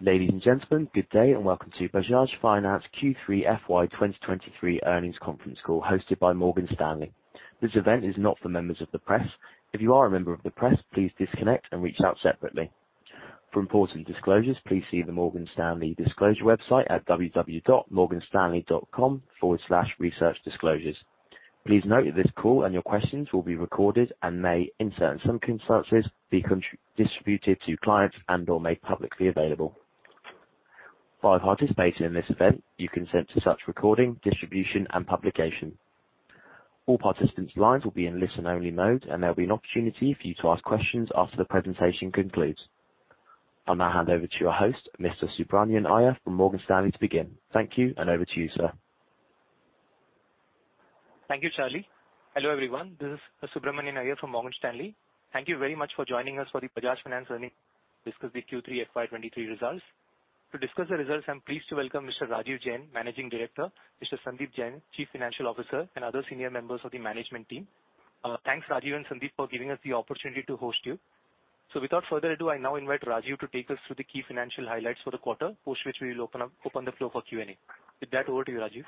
Ladies and gentlemen, good day. Welcome to Bajaj Finance Q3 FY 2023 earnings conference call hosted by Morgan Stanley. This event is not for members of the press. If you are a member of the press, please disconnect and reach out separately. For important disclosures, please see the Morgan Stanley disclosure website at www.morganstanley.com/researchdisclosures. Please note that this call and your questions will be recorded and may, in certain circumstances, be distributed to clients and/or made publicly available. By participating in this event, you consent to such recording, distribution and publication. All participants' lines will be in listen-only mode. There'll be an opportunity for you to ask questions after the presentation concludes. I'll now hand over to your host, Mr. Subramanian Iyer from Morgan Stanley to begin. Thank you. Over to you, sir. Thank you, Charlie. Hello, everyone. This is Subramanian Iyer from Morgan Stanley. Thank you very much for joining us for the Bajaj Finance earning, discuss the Q3 FY 2023 results. To discuss the results, I'm pleased to welcome Mr. Rajeev Jain, Managing Director, Mr. Sandeep Jain, Chief Financial Officer, and other senior members of the management team. Thanks, Rajeev and Sandeep, for giving us the opportunity to host you. Without further ado, I now invite Rajeev to take us through the key financial highlights for the quarter, post which we will open the floor for Q&A. With that, over to you, Rajeev.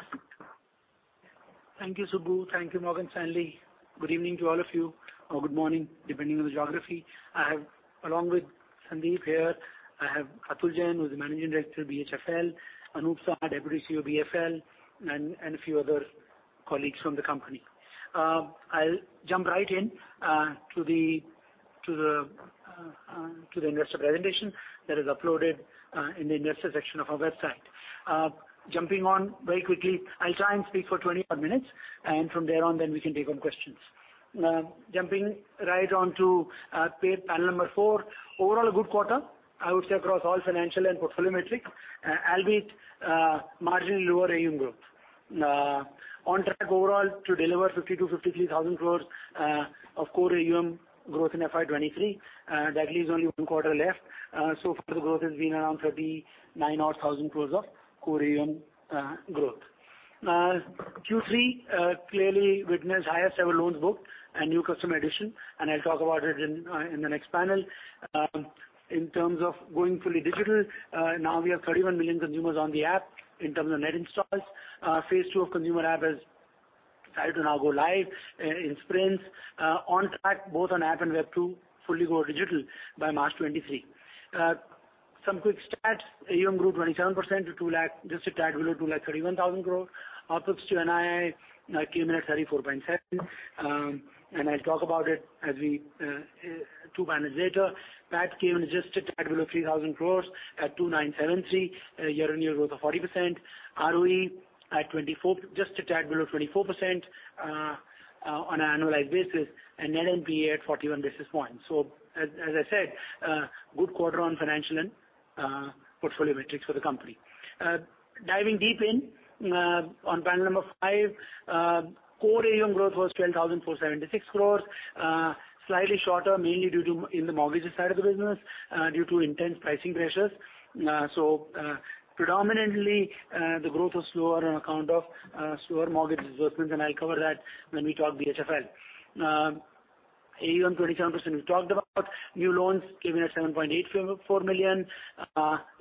Thank you, Subbu. Thank you, Morgan Stanley. Good evening to all of you or good morning, depending on the geography. I have, along with Sandeep here, Atul Jain, who's the Managing Director of BHFL, Anup Saha, Deputy CEO BFL and a few other colleagues from the company. I'll jump right in to the investor presentation that is uploaded in the investor section of our website. Jumping on very quickly, I'll try and speak for 20-odd minutes, from there on then we can take on questions. Jumping right onto page panel four. Overall, a good quarter, I would say across all financial and portfolio metrics, albeit marginally lower AUM growth. On track overall to deliver 50,000-53,000 crores of core AUM growth in FY 2023. That leaves only one quarter left. So far the growth has been around 39,000-odd crore of core AUM growth. Q3 clearly witnessed highest ever loans booked and new customer addition, and I'll talk about it in the next panel. In terms of going fully digital, now we have 31 million consumers on the app in terms of net installs. Phase II of consumer app has started to now go live in sprints. On track both on app and web to fully go digital by March 2023. Some quick stats. AUM grew 27% to 2 lakh, just a tad below 231,000 crore. Out of two NII came in at 34.7 crore, and I'll talk about it as we two panels later. PAT came in just a tad below 3,000 crores at 2,973, a year-on-year growth of 40%. ROE at 24%, just a tad below 24%, on an annualized basis, and NNPA at 41 basis points. As, as I said, good quarter on financial and portfolio metrics for the company. Diving deep in on panel number five. Core AUM growth was 10,476 crores, slightly shorter, mainly due to in the mortgages side of the b usiness, due to intense pricing pressures. Predominantly, the growth was slower on account of slower mortgage disbursements, and I'll cover that when we talk BHFL. AUM 27%, we talked about. New loans came in at 7.84 million.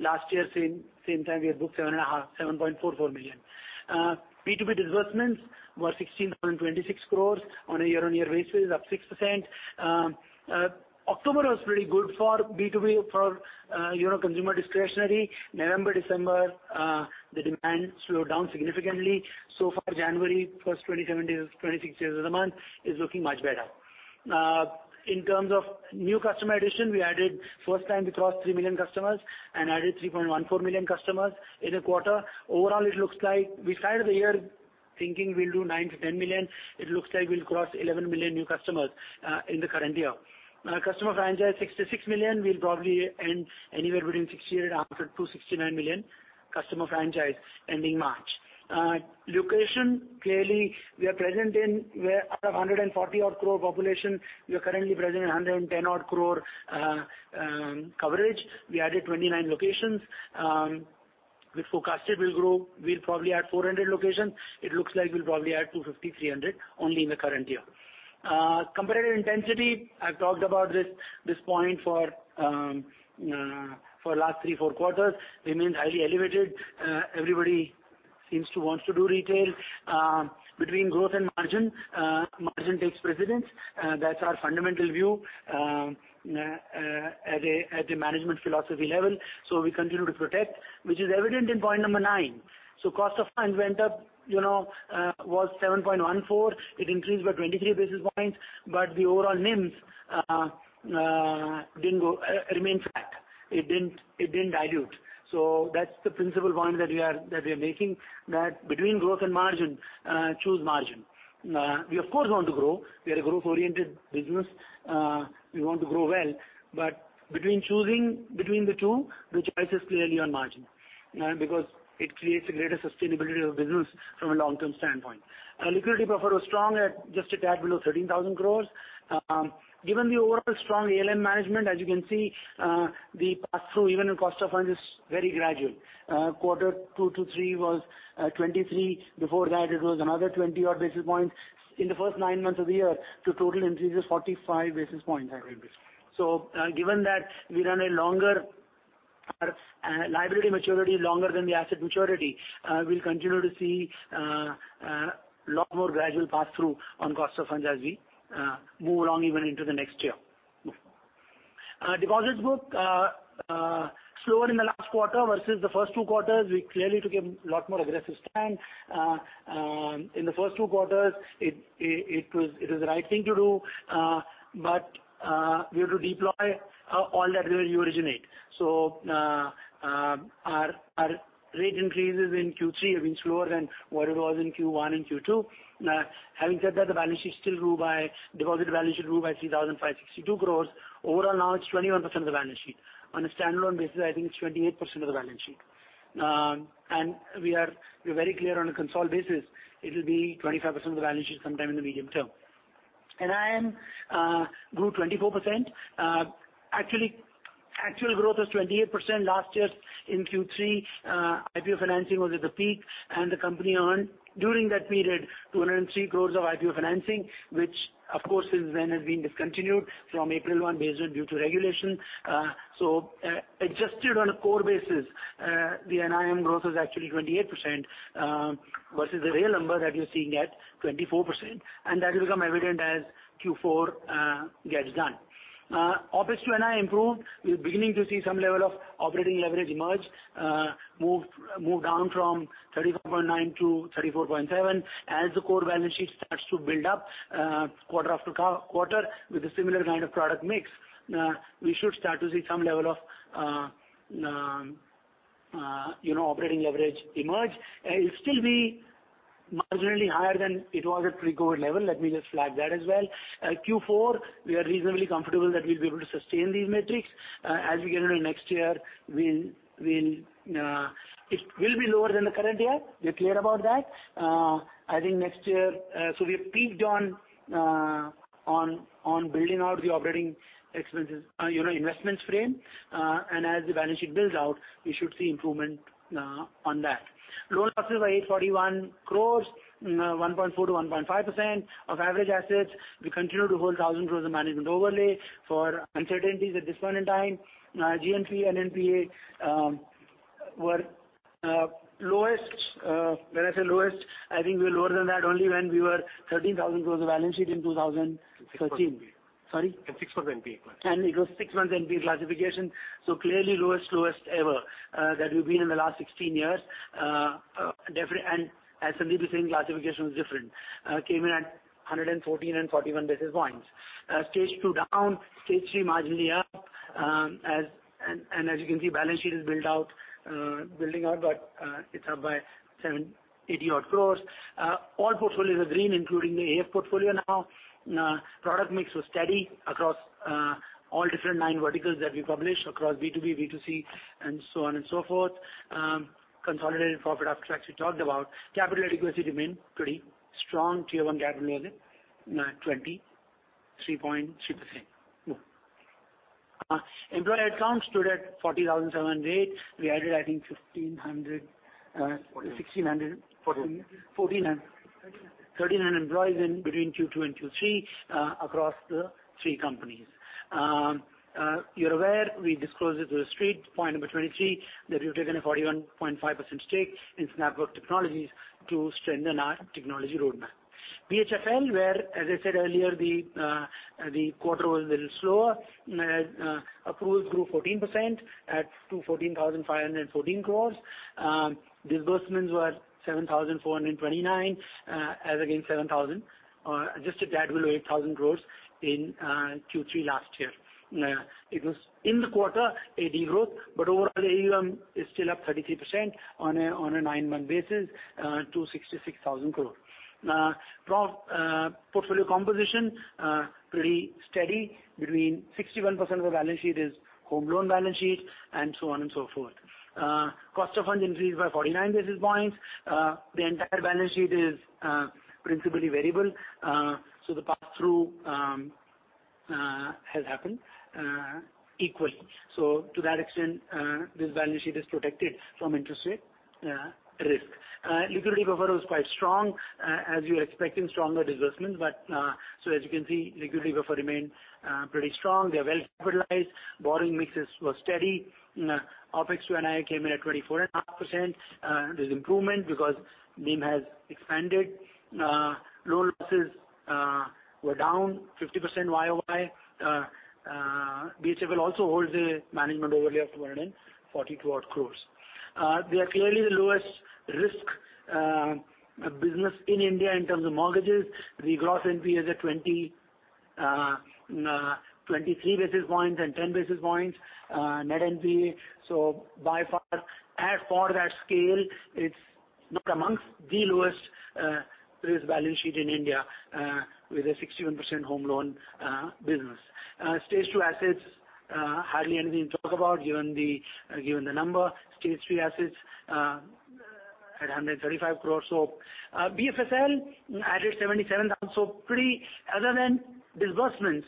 Last year, same time, we had booked 7.5 million, 7.44 million. B2B disbursements were 16,026 crores on a year-on-year basis, up 6%. October was pretty good for B2B for, you know, consumer discretionary. November, December, the demand slowed down significantly. So far, January first 27 days, 26 days of the month is looking much better. In terms of new customer addition, we added first time we crossed 3 million customers and added 3.14 million customers in a quarter. Overall, it looks like we started the year thinking we'll do 9 milion-10 million. It looks like we'll cross 11 million new customers in the current year. Our customer franchise, 66 million, will probably end anywhere between 60 million-69 million customer franchise ending March. Location, clearly we are present in where out of 140 odd crore population, we are currently present in 110 odd crore coverage. We added 29 locations. We forecasted we'll grow. We'll probably add 400 locations. It looks like we'll probably add 250, 300 only in the current year. Competitive intensity, I've talked about this point for lastthree, four quarters, remains highly elevated. Everybody seems to want to do retail. Between growth and margin takes precedence. That's our fundamental view at a management philosophy level. We continue to protect, which is evident in point number nine. Cost of funds went up, you know, was 7.14%. It increased by 23 basis points, the overall NIMs didn't go. Remained flat. It didn't dilute. That's the principal point that we are making, that between growth and margin, choose margin. We of course want to grow. We are a growth-oriented business. We want to grow well, but between choosing between the two, the choice is clearly on margin, because it creates a greater sustainability of business from a long-term standpoint. Our liquidity buffer was strong at just a tad below 13,000 crores. Given the overall strong ALM management, as you can see, the pass-through even in cost of funds is very gradual. Quarter two to three was 23. Before that, it was another 20-odd basis points in the first nine months of the year to total increases 45 basis points at rate base. Given that we run a liability maturity longer than the asset maturity, we'll continue to see a lot more gradual pass-through on cost of funds as we move along even into the next year. Deposits book slower in the last quarter versus the first two quarters. We clearly took a lot more aggressive stand. In the first two quarters, it was the right thing to do, but we had to deploy all that re-originate. Our rate increases in Q3 have been slower than what it was in Q1 and Q2. Having said that, the balance sheet still grew by deposit balance sheet grew by 3,562 crores. Overall now it's 21% of the balance sheet. On a standalone basis, I think it's 28% of the balance sheet. We're very clear on a consolidated basis, it'll be 25% of the balance sheet sometime in the medium term. NIM grew 24%. Actually, actual growth was 28% last year in Q3. IPO financing was at the peak, and the company earned during that period 203 crores of IPO financing, which of course since then has been discontinued from April 1 based on due to regulation. Adjusted on a core basis, the NIM growth is actually 28% versus the real number that you're seeing at 24%, and that will become evident as Q4 gets done. OpEx to NIM improved. We're beginning to see some level of operating leverage emerge, move down from 34.9% to 34.7%. As the core balance sheet starts to build up, quarter after quarter with a similar kind of product mix, we should start to see some level of, you know, operating leverage emerge. It'll still be marginally higher than it was at pre-COVID level. Let me just flag that as well. Q4, we are reasonably comfortable that we'll be able to sustain these metrics. As we get into next year we'll it will be lower than the current year. We're clear about that. I think next year, so we've peaked on building out the operating expenses, you know, investments frame. As the balance sheet builds out, we should see improvement on that. Loan losses were 841 crores, 1.4%-1.5% of average assets. We continue to hold 1,000 crores of management overlay for uncertainties at this point in time. GN3 and NPA were lowest, when I say lowest, I think we're lower than that only when we were 13,000 crores of balance sheet in 2013. Six months NPA. Sorry? Six months NPA. It was six months NPA classification, clearly lowest ever, that we've been in the last 16 years. Definitely, as Sandeep is saying, classification was different. Came in at 114 and 41 basis points. Stage two down, Stage three marginally up. As you can see, balance sheet is built out, building out, it's up by 780 odd crores. All portfolios are green, including the AIF portfolio now. Product mix was steady across all different line verticals that we publish across B2B, B2C, and so on and so forth. Consolidated profit after tax, we talked about. Capital adequacy remained pretty strong. Tier 1 capital was at 23.6%. Move. Employee headcount stood at 40,708. We added I think 1,500. INR 1,500. 1,600. 1,400. INR 1,400 INR 1,300. 1,300 employees in between Q2 and Q3 across the three companies. You're aware, we disclosed it to the street, point number 23, that we've taken a 41.5% stake in SnapWork Technologies to strengthen our technology roadmap. BHFL, where, as I said earlier, the quarter was a little slower. Approvals grew 14% at to 14,514 crore. Disbursements were 7,429 as against 7,000, adjusted that will be 8,000 crore in Q3 last year. It was in the quarter a de-growth, but overall AUM is still up 33% on a nine-month basis to 66,000 crore. portfolio composition, pretty steady between 61% of the balance sheet is home loan balance sheet, and so on and so forth. Cost of funds increased by 49 basis points. The entire balance sheet is principally variable, the pass-through has happened equally. To that extent, this balance sheet is protected from interest rate risk. Liquidity buffer was quite strong, as you're expecting stronger disbursements, as you can see, liquidity buffer remained pretty strong. They're well capitalized. Borrowing mixes was steady. OpEx to NIM came in at 24.5%. There's improvement because NIM has expanded. Loan losses were down 50% YoY. BHFL also holds a management overlay of 242 odd crores. They are clearly the lowest risk business in India in terms of mortgages. Regross NPAs at 23 basis points and 10 basis points net NPA. By far, as for that scale, it's amongst the lowest risk balance sheet in India with a 61% home loan business. Stage two assets hardly anything to talk about given the number. Stage three assets at 135 crores. BHFL added 77,000 pretty other than disbursements,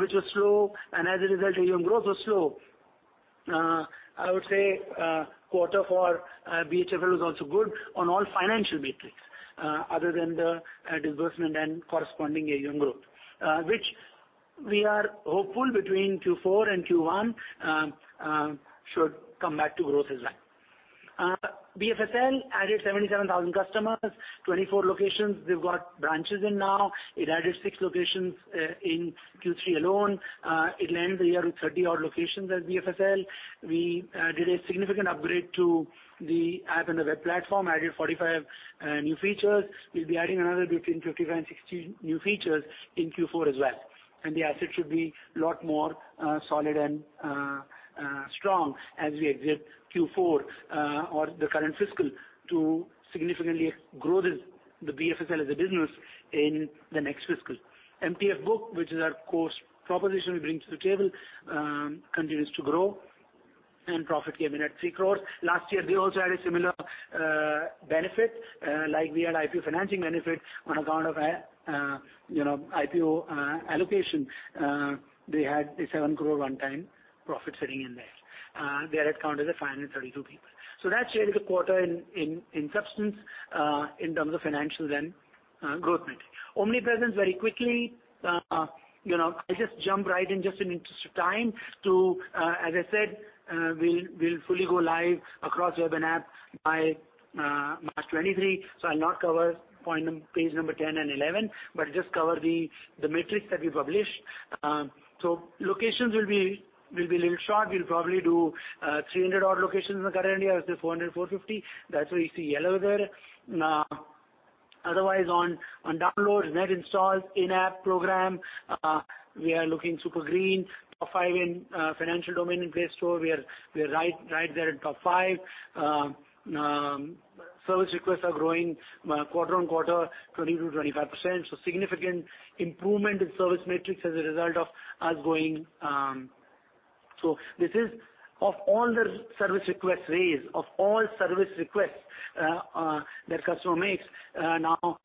which was slow, and as a result, AUM growth was slow. I would say quarter for BHFL was also good on all financial metrics other than the disbursement and corresponding AUM growth. We are hopeful between Q4 and Q1 should come back to growth as well. BFSL added 77,000 customers, 24 locations they've got branches in now. It added six locations in Q3 alone. It'll end the year with 30-odd locations at BFSL. We did a significant upgrade to the app and the web platform, added 45 new features. We'll be adding another between 55 and 60 new features in Q4 as well. The asset should be a lot more solid and strong as we exit Q4 or the current fiscal to significantly grow this, the BFSL as a business in the next fiscal. MTF book, which is our core proposition we bring to the table, continues to grow and profit came in at 3 crores. Last year, we also had a similar benefit, like we had IPO financing benefit on account of, you know, IPO allocation. They had a 7 crore one-time profit sitting in there. Their head count is at 532 people. That's really the quarter in substance, in terms of financials and growth metric. Omnipresence, very quickly, you know, I'll just jump right in just in the interest of time to, as I said, we'll fully go live across web and app by March 2023. I'll not cover page number 10 and 11, but just cover the metrics that we published. Locations will be a little short. We'll probably do 300 odd locations in the current year as to 400, 450. That's why you see yellow there. Otherwise on downloads, net installs, in-app program, we are looking super green. Top five in financial domain in Play Store, we are right there at top five. Service requests are growing quarter-on-quarter, 20%-25%. Significant improvement in service metrics as a result of us going. This is of all the service requests raised, of all service requests that customer makes, now 23%,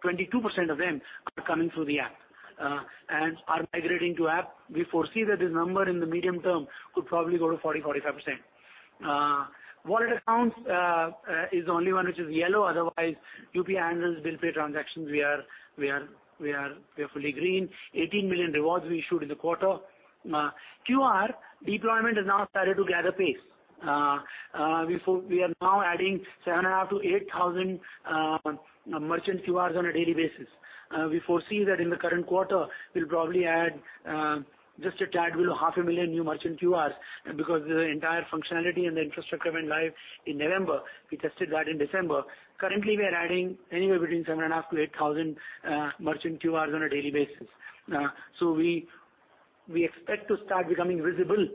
22% of them are coming through the app and are migrating to app. We foresee that this number in the medium term could probably go to 40%-45%. Wallet accounts is the only one which is yellow. Otherwise, UPI annuals, bill pay transactions, we are fully green. 18 million rewards we issued in the quarter. QR deployment has now started to gather pace. We are now adding 7,500-8,000 merchant QR's on a daily basis. We foresee that in the current quarter, we'll probably add just a tad below h0.5 Million new merchant QR's because the entire functionality and the infrastructure went live in November. We tested that in December. Currently, we are adding anywhere between 7,500-8,000 merchant QR's on a daily basis. We expect to start becoming visible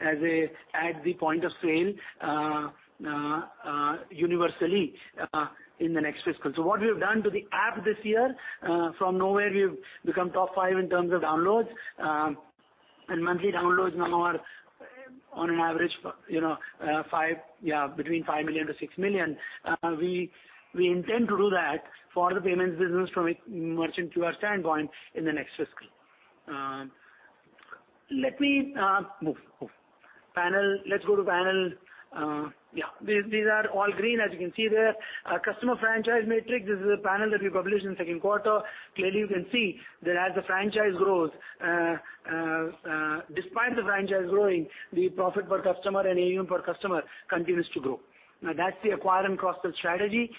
as at the point of sale universally in the next fiscal. What we have done to the app this year, from nowhere we've become top five in terms of downloads. Monthly downloads now are on an average, you know, between 5 million-6 million. We intend to do that for the payments business from a merchant QR standpoint in the next fiscal. Let me move. Panel. Let's go to panel. Yeah, these are all green, as you can see there. Our customer franchise matrix, this is a panel that we published in the second quarter. Clearly, you can see that as the franchise grows, despite the franchise growing, the profit per customer and AUM per customer continues to grow. Now that's the acquire and cross-sell strategy.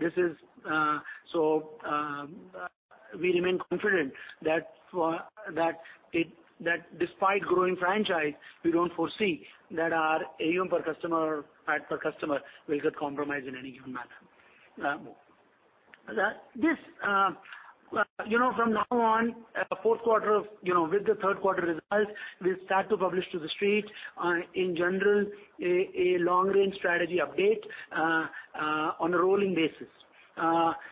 This is, so, we remain confident that for, that it, that despite growing franchise, we don't foresee that our AUM per customer, PAT per customer will get compromised in any given manner. Move. This, you know, from now on, fourth quarter of, you know, with the third quarter results, we'll start to publish to the street, in general, a long-range strategy update on a rolling basis.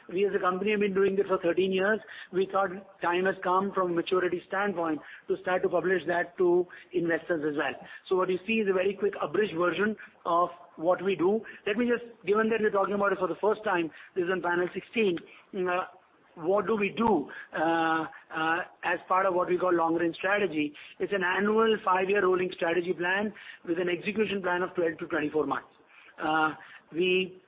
We as a company have been doing this for 13 years. We thought time has come from a maturity standpoint to start to publish that to investors as well. What you see is a very quick abridged version of what we do. Let me just, given that we're talking about it for the first time, this is on panel 16. What do we do as part of what we call long-range strategy? It's an annual five-year rolling strategy plan with an execution plan of 12 months-24 months. We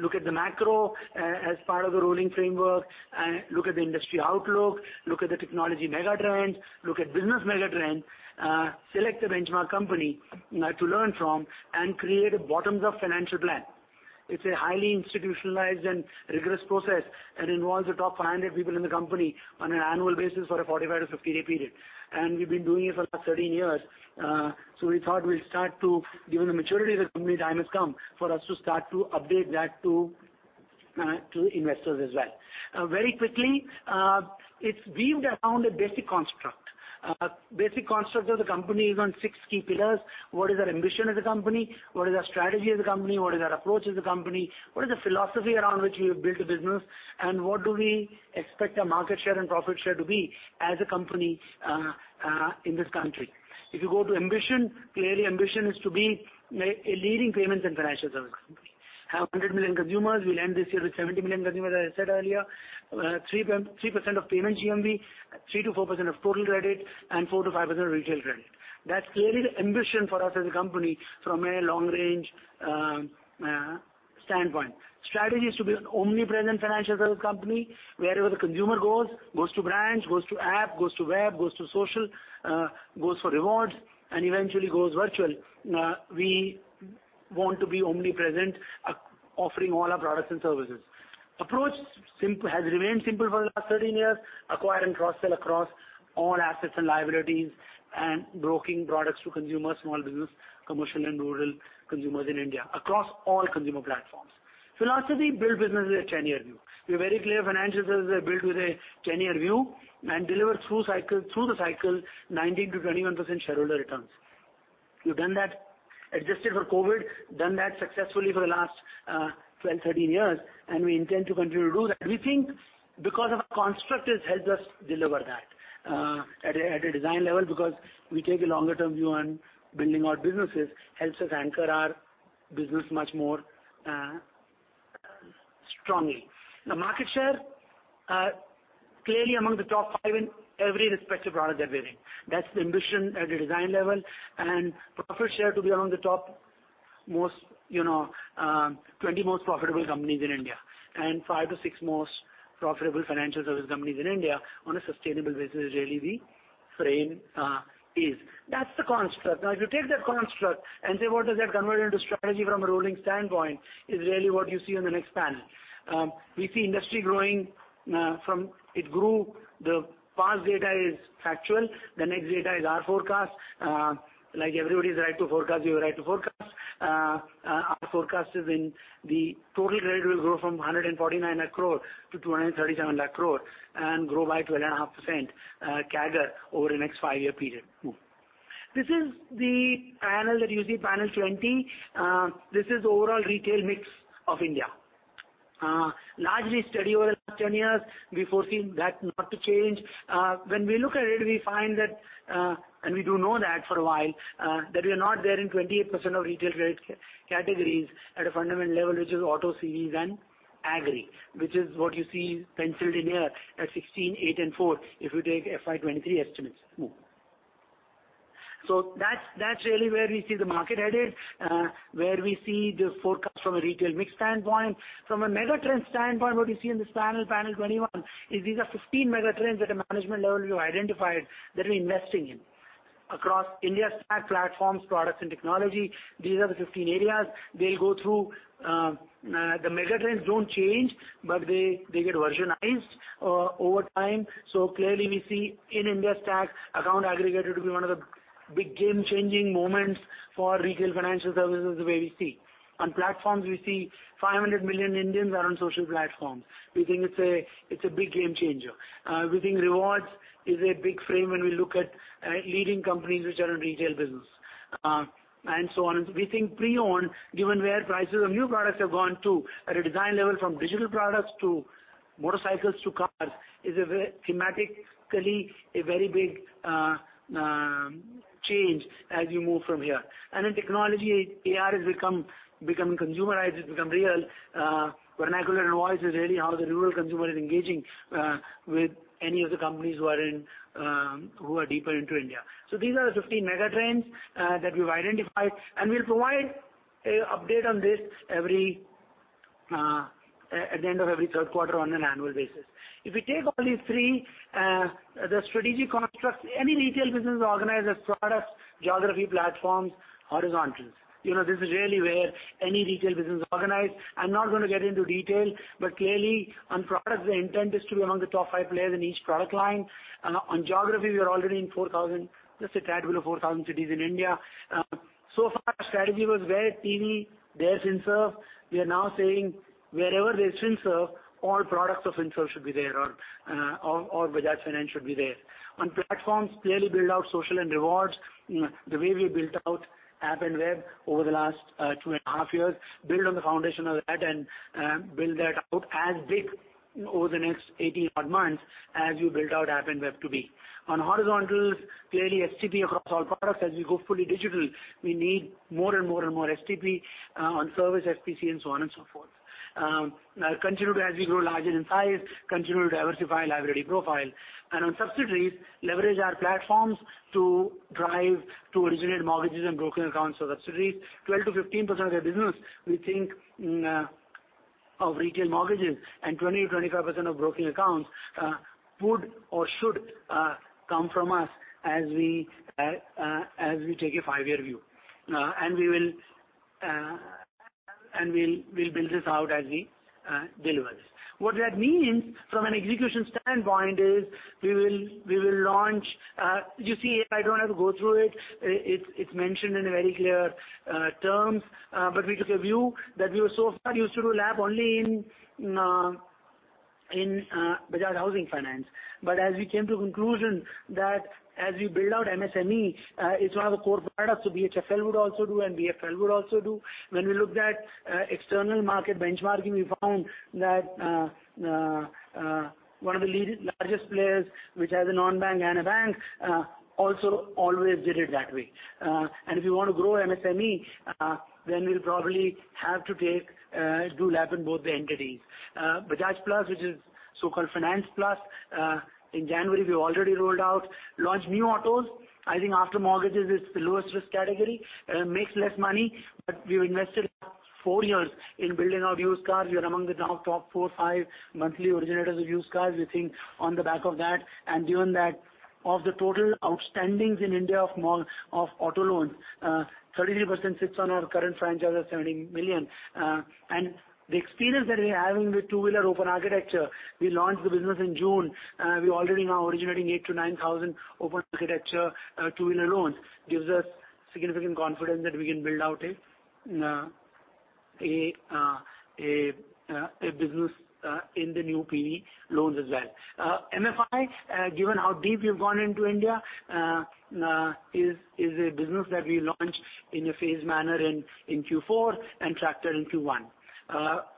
look at the macro as part of the rolling framework and look at the industry outlook, look at the technology mega trends, look at business mega trends, select a benchmark company to learn from and create a bottoms-up financial plan. It's a highly institutionalized and rigorous process that involves the top 500 people in the company on an annual basis for a 45 day-50 day period. We've been doing it for the last 13 years. We thought we'll start to, given the maturity of the company, time has come for us to start to update that to investors as well. Very quickly, it's weaved around a basic construct. Basic construct of the company is on six key pillars. What is our ambition as a company? What is our strategy as a company? What is our approach as a company? What is the philosophy around which we have built the business? What do we expect our market share and profit share to be as a company in this country? If you go to ambition, clearly ambition is to be a leading payments and financial service company. Have 100 million consumers. We'll end this year with 70 million consumers, as I said earlier. 3% of payment GMV, 3%-4% of total credit and 4%-5% of retail credit. That's clearly the ambition for us as a company from a long range standpoint. Strategy is to be an omnipresent financial service company. Wherever the consumer goes to branch, goes to app, goes to web, goes to social, goes for rewards, and eventually goes virtual. We want to be omnipresent, offering all our products and services. Approach simple has remained simple for the last 13 years: acquire and cross-sell across all assets and liabilities and broking products to consumers, small business, commercial and rural consumers in India, across all consumer platforms. Philosophy: build business with a 10-year view. We're very clear financial services are built with a 10-year view and deliver through cycle, through the cycle 19%-21% shareholder returns. We've done that, adjusted for COVID, done that successfully for the last 12 years, 13 years, and we intend to continue to do that. We think because of construct has helped us deliver that, at a design level because we take a longer-term view on building our businesses, helps us anchor our business much more strongly. The market share, clearly among the top five in every respective product that we're in. That's the ambition at a design level and profit share to be among the top most, you know, 20 most profitable companies in India, and five to six most profitable financial services companies in India on a sustainable basis is really the frame. That's the construct. If you take that construct and say, "What does that convert into strategy from a rolling standpoint?" is really what you see on the next panel. We see industry growing. It grew, the past data is factual. The next data is our forecast. Like everybody's right to forecast, we were right to forecast. Our forecast is in the total credit will grow from 149 lakh crore to 237 lakh crore and grow by 12.5% CAGR over the next five-year period. This is the panel that you see, panel 20. This is the overall retail mix of India. Largely steady over the last 10 years. We foresee that not to change. When we look at it, we find that, and we do know that for a while, that we are not there in 28% of retail credit categories at a fundamental level, which is auto, CEs, and agri, which is what you see penciled in here at 16, eight and four, if you take FY 2023 estimates. That's really where we see the market headed, where we see the forecast from a retail mix standpoint. From a mega trend standpoint, what you see in this panel 21, is these are 15 mega trends at a management level we've identified that we're investing in across India Stack platforms, products and technology. These are the 15 areas they'll go through. The mega trends don't change, but they get versionized over time. Clearly we see in India Stack, Account Aggregator to be one of the big game-changing moments for retail financial services the way we see. On platforms, we see 500 million Indians are on social platforms. We think it's a big game changer. We think rewards is a big frame when we look at leading companies which are in retail business, and so on. We think pre-owned, given where prices of new products have gone to at a design level from digital products to motorcycles to cars, is a very thematically a very big change as you move from here. In technology, AI has become, becoming consumerized. It's become real. Vernacular and voice is really how the rural consumer is engaging with any of the companies who are in deeper into India. These are the 15 mega trends that we've identified, and we'll provide a update on this every at the end of every third quarter on an annual basis. If we take all these three, the strategic constructs, any retail business organized as products, geography, platforms, horizontals. You know, this is really where any retail business organized. I'm not gonna get into detail, but clearly on products, the intent is to be among the top five players in each product line. On geography, we are already in 4,000, just a tad below 4,000 cities in India. So far our strategy was where TV, there's Bajaj Finserv. We are now saying wherever there's Bajaj Finserv, all products of Bajaj Finserv should be there or Bajaj Finance should be there. On platforms, clearly build out social and rewards, the way we built out app and web over the last 2.5 years, build on the foundation of that and build that out as big over the next 18 odd months as you built out app and web to be. On horizontals, clearly STP across all products. As we go fully digital, we need more and more and more STP on service, SPC and so on and so forth. Now, as we grow larger in size, continue to diversify liability profile. On subsidiaries, leverage our platforms to drive to originate mortgages and broking accounts for subsidiaries. 12%-15% of their business, we think, of retail mortgages and 20%-25% of broking accounts would or should come from us as we take a five-year view. We will and we'll build this out as we deliver this. What that means from an execution standpoint is we will launch... You see, I don't have to go through it. It's mentioned in very clear terms, but we took a view that we were so far used to do LAP only in Bajaj Housing Finance. As we came to a conclusion that as we build out MSME, it's one of the core products, so BHFL would also do and BFL would also do. We looked at external market benchmarking, we found that one of the largest players, which has a non-bank and a bank, also always did it that way. If you want to grow MSME, then we'll probably have to take do LAP in both the entities. Bajaj Plus, which is so-called Finance Plus, in January, we already rolled out, launched new autos. I think after mortgages, it's the lowest risk category. Makes less money, we've invested four years in building out used cars, we are among the now top four or five monthly originators of used cars. We think on the back of that given that of the total outstandings in India of auto loans, 33% sits on our current franchise of 70 million. The experience that we're having with two-wheeler open architecture, we launched the business in June, we already now originating 8,000-9,000 open architecture two-wheeler loans, gives us significant confidence that we can build out a business in the new PE loans as well. MFI, given how deep we've gone into India, is a business that we launched in a phased manner in Q4 and tractor in Q1.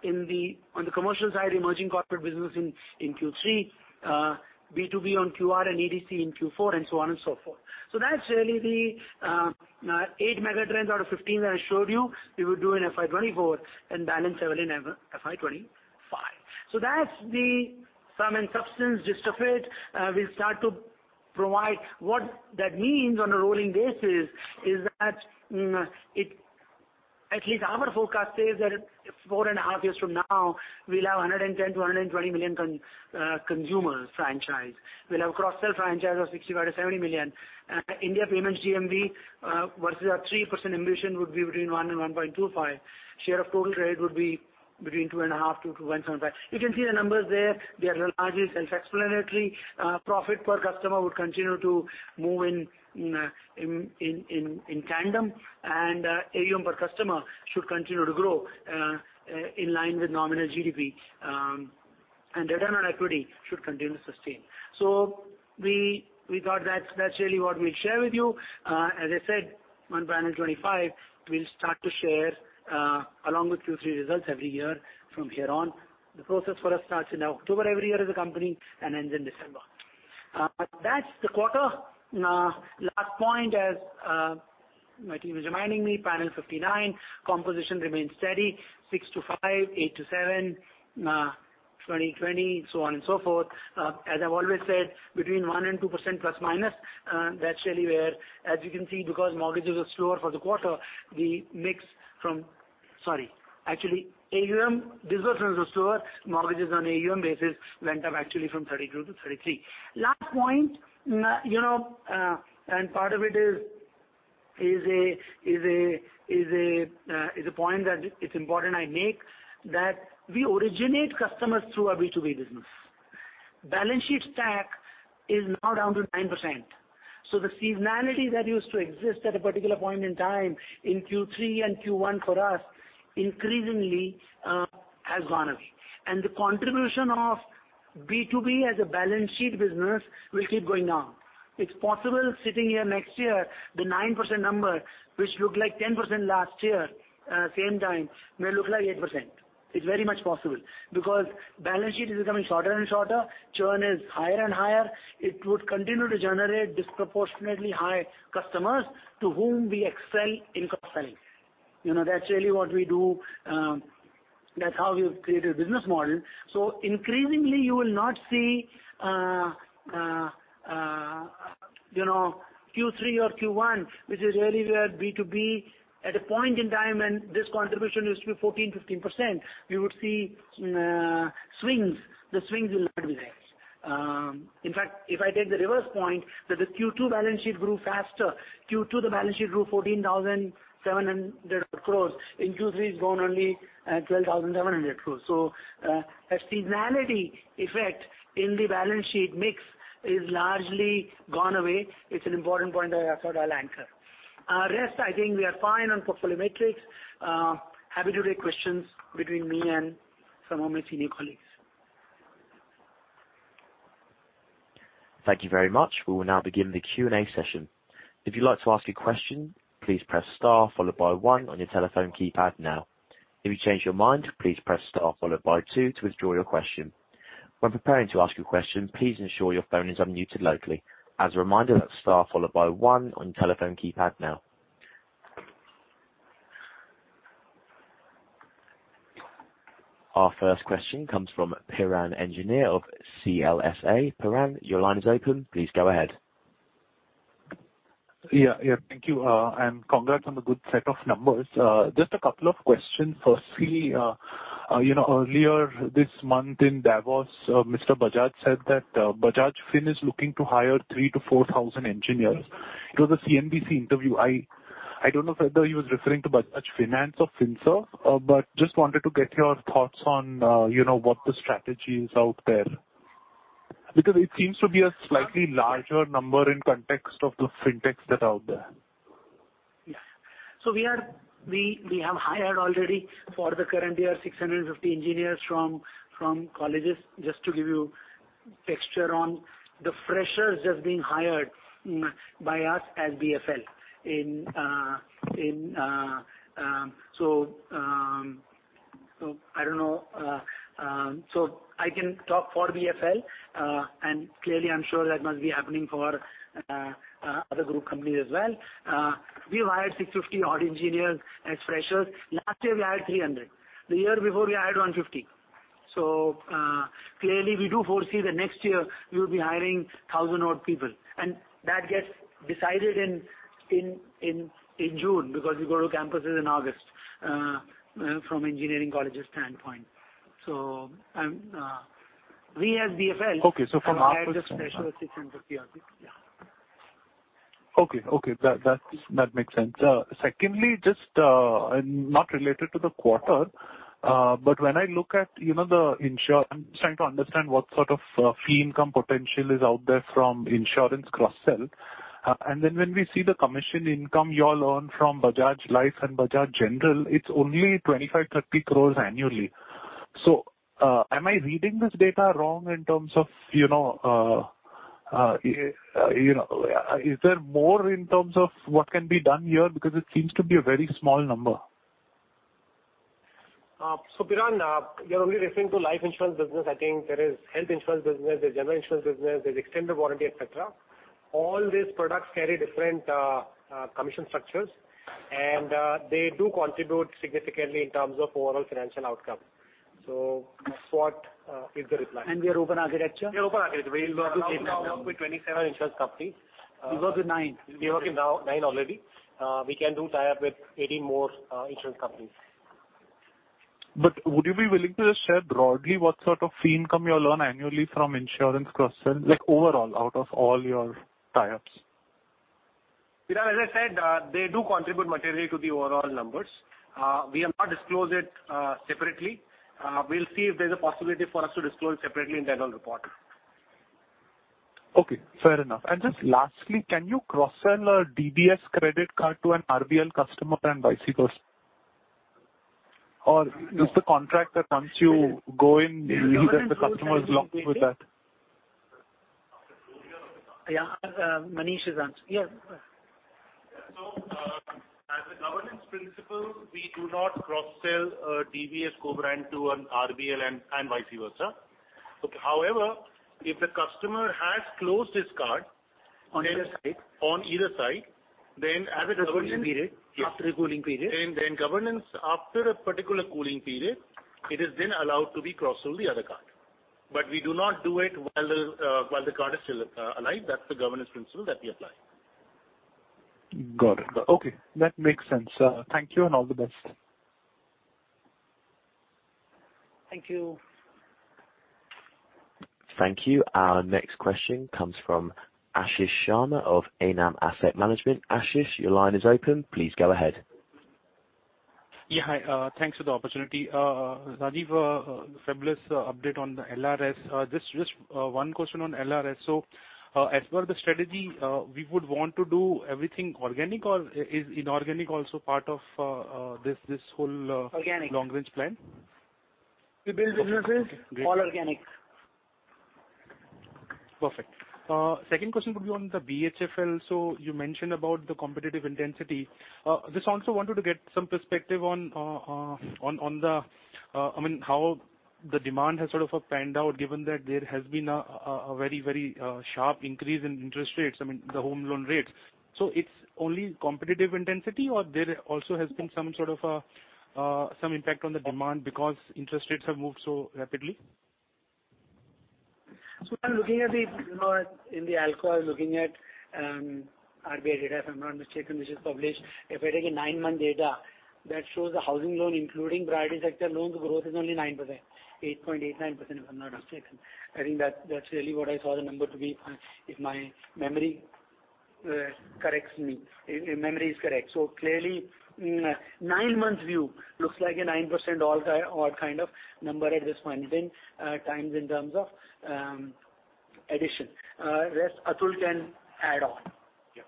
In the... On the commercial side, emerging corporate business in Q3, B2B on QR and ADC in Q4 and so on and so forth. That's really the eight mega trends out of 15 that I showed you we would do in FY 2024 and balance seven in FY 2025. That's the sum and substance gist of it. We'll start to provide what that means on a rolling basis is that, at least our forecast says that 4.5 years from now we'll have 110 million-120 million consumer franchise. We'll have cross-sell franchise of 65 million-70 million. India payments GMV, versus our 3% ambition would be between one and 1.25. Share of total trade would be between 2.5 and 2.75. You can see the numbers there. They are large and self-explanatory. Profit per customer would continue to move in tandem, and AUM per customer should continue to grow in line with nominal GDP, and return on equity should continue to sustain. We thought that's really what we'd share with you. As I said, on panel 25, we'll start to share along with Q3 results every year from here on. The process for us starts in October every year as a company and ends in December. That's the quarter. Last point, as my team is reminding me, panel 59 composition remains steady, six-five, eight-seven, 2020, so on and so forth. As I've always said, between 1% and 2% plus minus, that's really where as you can see, because mortgages are slower for the quarter. Sorry. Actually, AUM disbursements were slower. Mortgages on AUM basis went up actually from 32%-33%. Last point, you know, and part of it is a point that it's important I make that we originate customers through our B2B business. Balance sheet stack is now down to 9% so the seasonality that used to exist at a particular point in time in Q3 and Q1 for us increasingly has gone away. The contribution of B2B as a balance sheet business will keep going down. It's possible sitting here next year, the 9% number, which looked like 10% last year, same time, may look like 8%. It's very much possible because balance sheet is becoming shorter and shorter. Churn is higher and higher. It would continue to generate disproportionately high customers to whom we excel in cross-selling. You know, that's really what we do. That's how we've created a business model. Increasingly you will not see, you know, Q3 or Q1, which is really where B2B at a point in time when this contribution used to be 14%, 15%, we would see swings. The swings will not be there. In fact, if I take the reverse point that the Q2 balance sheet grew faster. Q2, the balance sheet grew 14,700 crores. In Q3, it's grown only 12,700 crores. A seasonality effect in the balance sheet mix is largely gone away. It's an important point that I thought I'll anchor. I think we are fine on portfolio metrics. Happy to take questions between me and some of my senior colleagues. Thank you very much. We will now begin the Q&A session. If you'd like to ask a question, please press star followed by one on your telephone keypad now. If you change your mind, please press star followed by two to withdraw your question. When preparing to ask your question, please ensure your phone is unmuted locally. As a reminder, that's star followed by one on your telephone keypad now. Our first question comes from Piran Engineer of CLSA. Piran, your line is open. Please go ahead. Yeah, yeah. Thank you. Congrats on the good set of numbers. Just a couple of questions. Firstly, you know, earlier this month in Davos, Mr. Bajaj said that Bajaj Fin is looking to hire 3,000-4,000 engineers. It was a CNBC interview. I don't know whether he was referring to Bajaj Finance or Finserv, but just wanted to get your thoughts on, you know, what the strategy is out there. It seems to be a slightly larger number in context of the Fintechs that are out there. Yeah. We have hired already for the current year 650 engineers from colleges. Just to give you texture on the freshers just being hired by us as BFL in I don't know. I can talk for BFL, clearly I'm sure that must be happening for other group companies as well. We've hired 650 odd engineers as freshers. Last year we hired 300. The year before we hired 150. Clearly we do foresee that next year we will be hiring 1,000 odd people, and that gets decided in June because we go to campuses in August from engineering colleges standpoint. I'm we as BFL. Okay. from our perspective- I just measure 600 PR people. Yeah. Okay. Okay. That makes sense. Secondly, just, not related to the quarter, but when I look at, you know, I'm trying to understand what sort of fee income potential is out there from insurance cross-sell. Then when we see the commission income you all earn from Bajaj Life and Bajaj General, it's only 25 crore-30 crore annually. Am I reading this data wrong in terms of, you know, you know, is there more in terms of what can be done here? Because it seems to be a very small number. Piran, you're only referring to life insurance business. I think there is health insurance business, there's general insurance business, there's extended warranty, et cetera. All these products carry different commission structures, and they do contribute significantly in terms of overall financial outcome. Short is the reply. We are open architecture. We are open architecture. We work with 27 insurance companies. We work with nine. We work with now 9 already. We can do tie-up with 18 more, insurance companies. Would you be willing to just share broadly what sort of fee income you all earn annually from Insurance cross-sell, like overall, out of all your tie-ups? Piran, as I said, they do contribute materially to the overall numbers. We have not disclosed it separately. We'll see if there's a possibility for us to disclose separately in the annual report. Okay. Fair enough. Just lastly, can you cross-sell a DBS credit card to an RBL customer and vice versa? Is the contract that once you go in, the customer is locked with that? Yeah. Manish is asking. Yeah. As a governance principle, we do not cross-sell a DBS co-brand to an RBL and vice versa. Okay. However, if the customer has closed his card- On either side.... on either side, then as a governance After the cooling period. Yes. After the cooling period. Governance after a particular cooling period, it is then allowed to be crossed to the other card. We do not do it while the card is still alive. That's the governance principle that we apply. Got it. Okay. That makes sense. Thank you and all the best. Thank you. Thank you. Our next question comes from Ashish Sharma of Enam Asset Management. Ashish, your line is open. Please go ahead. Yeah. Hi. Thanks for the opportunity. Rajeev, fabulous update on the LRS. Just one question on LRS. As per the strategy, we would want to do everything organic or is inorganic also part of this whole. Organic long range plan? We build businesses. Okay, great. All organic. Perfect. Second question would be on the BHFL. You mentioned about the competitive intensity. Just also wanted to get some perspective on, on the, I mean, how the demand has sort of panned out given that there has been a very, very sharp increase in interest rates, I mean, the home loan rates. Is it only competitive intensity, or there also has been some sort of, some impact on the demand because interest rates have moved so rapidly? I'm looking at the, you know, in the alcohol, looking at RBI data, if I'm not mistaken, which is published. If I take a nine-month data that shows the housing loan, including priority sector loans, growth is only 9%, 8.89%, if I'm not mistaken. I think that's really what I saw the number to be, if my memory corrects me. If memory is correct. Clearly, nine months view looks like a 9% all kind of number at this point in times in terms of addition. Rest Atul can add on. Yeah.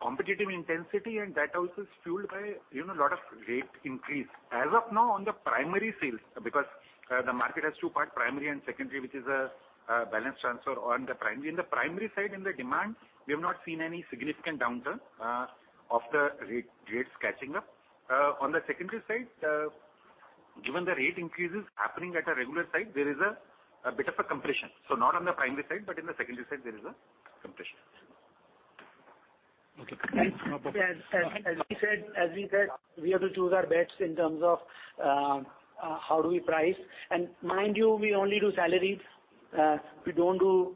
Competitive intensity and that also is fueled by, you know, lot of rate increase. As of now on the primary sales, because, the market has two part primary and secondary, which is a, balance transfer on the primary. In the primary side, in the demand, we have not seen any significant downturn, of the rate, rates catching up. On the secondary side, given the rate increases happening at a regular side, there is a bit of a compression. Not on the primary side, but in the secondary side, there is a compression. Okay. No problem. As we said, we have to choose our bets in terms of how do we price. Mind you, we only do salaries. We don't do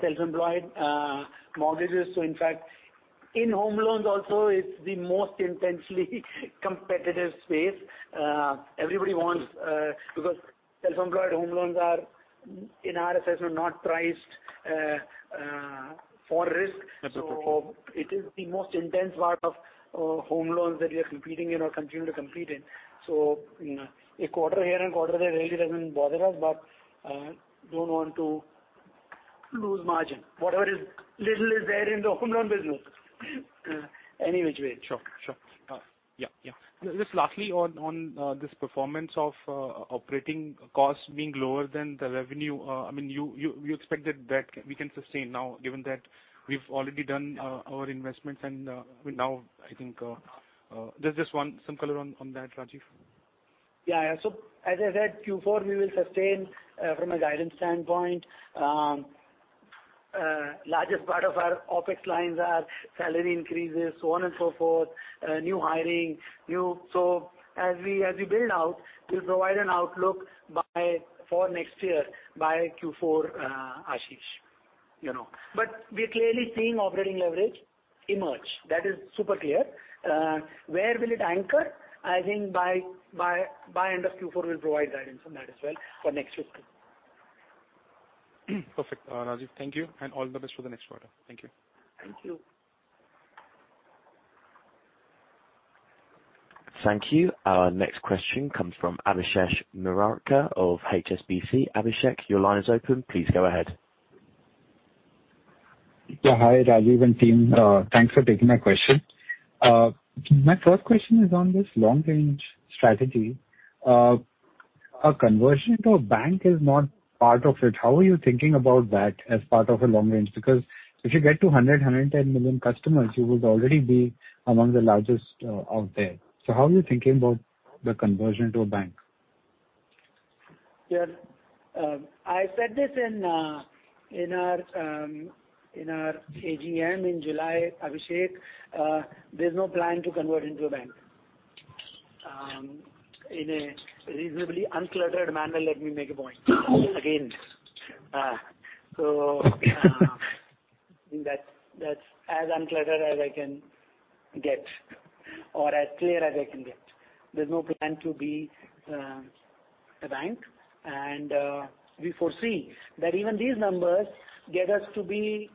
self-employed mortgages. In fact, in home loans also, it's the most intensely competitive space. Everybody wants because self-employed home loans are in our assessment not priced for risk. Absolutely. It is the most intense part of home loans that we are competing in or continue to compete in. You know, a quarter here and quarter there really doesn't bother us, but don't want to lose margin. Whatever is little is there in the home loan business. Any which way. Sure. Sure. Yeah. Just lastly on this performance of operating costs being lower than the revenue, I mean, you expected that we can sustain now given that we've already done our investments and now I think. Just one, some color on that, Rajeev. Yeah. As I said, Q4 we will sustain from a guidance standpoint. Largest part of our OpEx lines are salary increases, so on and so forth, new hiring. As we build out, we'll provide an outlook by, for next year by Q4, Ashish, you know. We're clearly seeing operating leverage emerge. That is super clear. Where will it anchor? I think by end of Q4 we'll provide guidance on that as well for next fiscal. Perfect, Rajeev. Thank you, and all the best for the next quarter. Thank you. Thank you. Thank you. Our next question comes from Abhishek Murarka of HSBC. Abhishek, your line is open. Please go ahead. Hi, Rajeev and team. Thanks for taking my question. My first question is on this long range strategy. A conversion to a bank is not part of it. How are you thinking about that as part of a long range? Because if you get to 100 million, 110 million customers, you would already be among the largest, out there. How are you thinking about the conversion to a bank? Yes. I said this in in our in our AGM in July, Abhishek Murarka. There's no plan to convert into a bank. In a reasonably uncluttered manner, let me make a point again. I think that's as uncluttered as I can get or as clear as I can get. There's no plan to be a bank and we foresee that even these numbers get us to be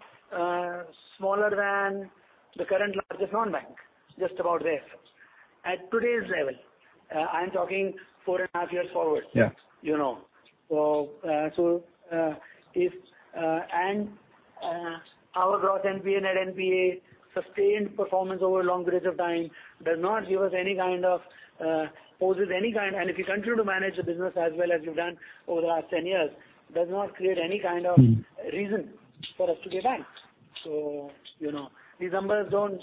smaller than the current largest non-bank, just about there. At today's level, I'm talking 4.5 years forward. Yeah. You know, so, if, and, our growth NPA, net NPA sustained performance over a long period of time does not give us any kind of, poses any kind. If you continue to manage the business as well as you've done over the last 10 years, does not create any kind of reason for us to be a bank. You know, these numbers don't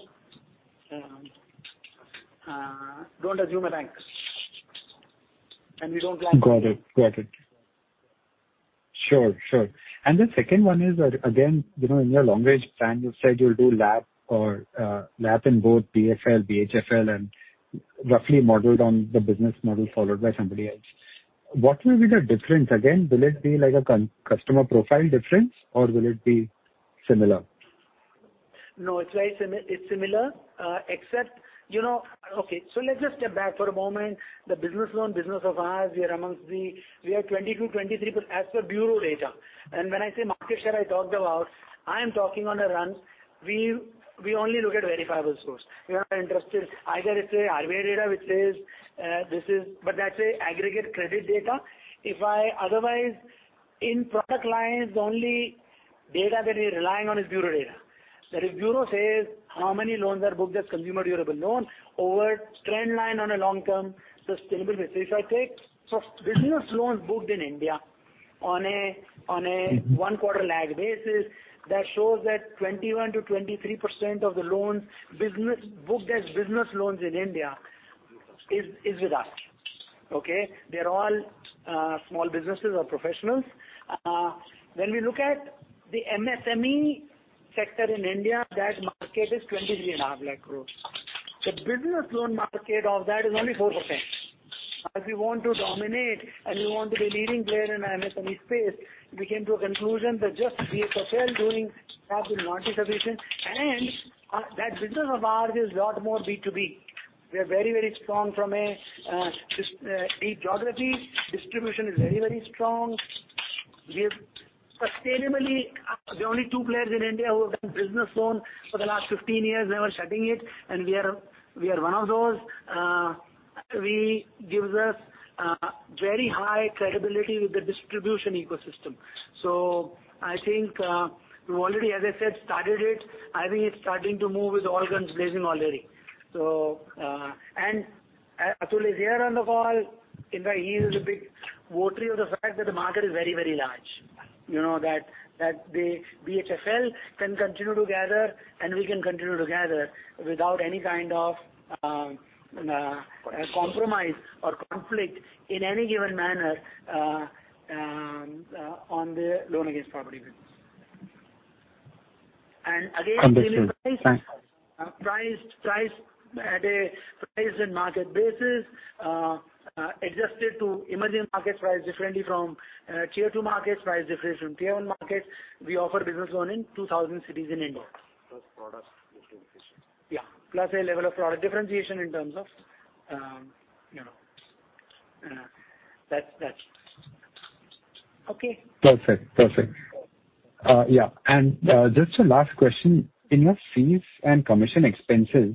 assume a bank, and we don't plan to. Got it. Got it. Sure. Sure. The second one is, again, you know, in your long range plan you said you'll do LAP or LAP in both BFL, BHFL and roughly modeled on the business model followed by somebody else. What will be the difference again? Will it be like a customer profile difference or will it be similar? No, it's very similar, except, you know. Let's just step back for a moment. The business loan business of ours, we are amongst the, we are 22, 23, as per bureau data, and when I say market share, I'm talking on a run. We only look at verifiable source. We are not interested. Either it's a RBI data which says, this is. That's a aggregate credit data. If I otherwise, in product lines, only data that we're relying on is bureau data. If bureau says how many loans are booked as consumer durable loan over trend line on a long term sustainable basis, I take business loans booked in India on a one quarter lag basis that shows that 21%-23% of the loans business, booked as business loans in India is with us. Okay? They're all small businesses or professionals. When we look at the MSME sector in India, that market is 23.5 lakh crores. The business loan market of that is only 4%. We want to dominate and we want to be leading player in MSME space, we came to a conclusion that just we are successful doing half the multi-distribution and that business of ours is a lot more B2B. We are very strong from a geography. Distribution is very, very strong. We have sustainably the only two players in India who have done business loan for the last 15 years, never shutting it, and we are one of those. gives us very high credibility with the distribution ecosystem. I think, we've already, as I said, started it. I think it's starting to move with all guns blazing already. Atul is here on the call. In fact, he is a big votary of the fact that the market is very, very large. You know that the BHFL can continue to gather and we can continue to gather without any kind of compromise or conflict in any given manner on the loan against property business. Understood. Thanks. Priced at a price and market basis, adjusted to emerging market price differently from tier two markets, price difference from tier one markets. We offer business loan in 2,000 cities in India. Plus product differentiation. Yeah. Plus a level of product differentiation in terms of, you know, that's... Okay? Perfect. Perfect. Yeah. Just a last question. In your fees and commission expenses,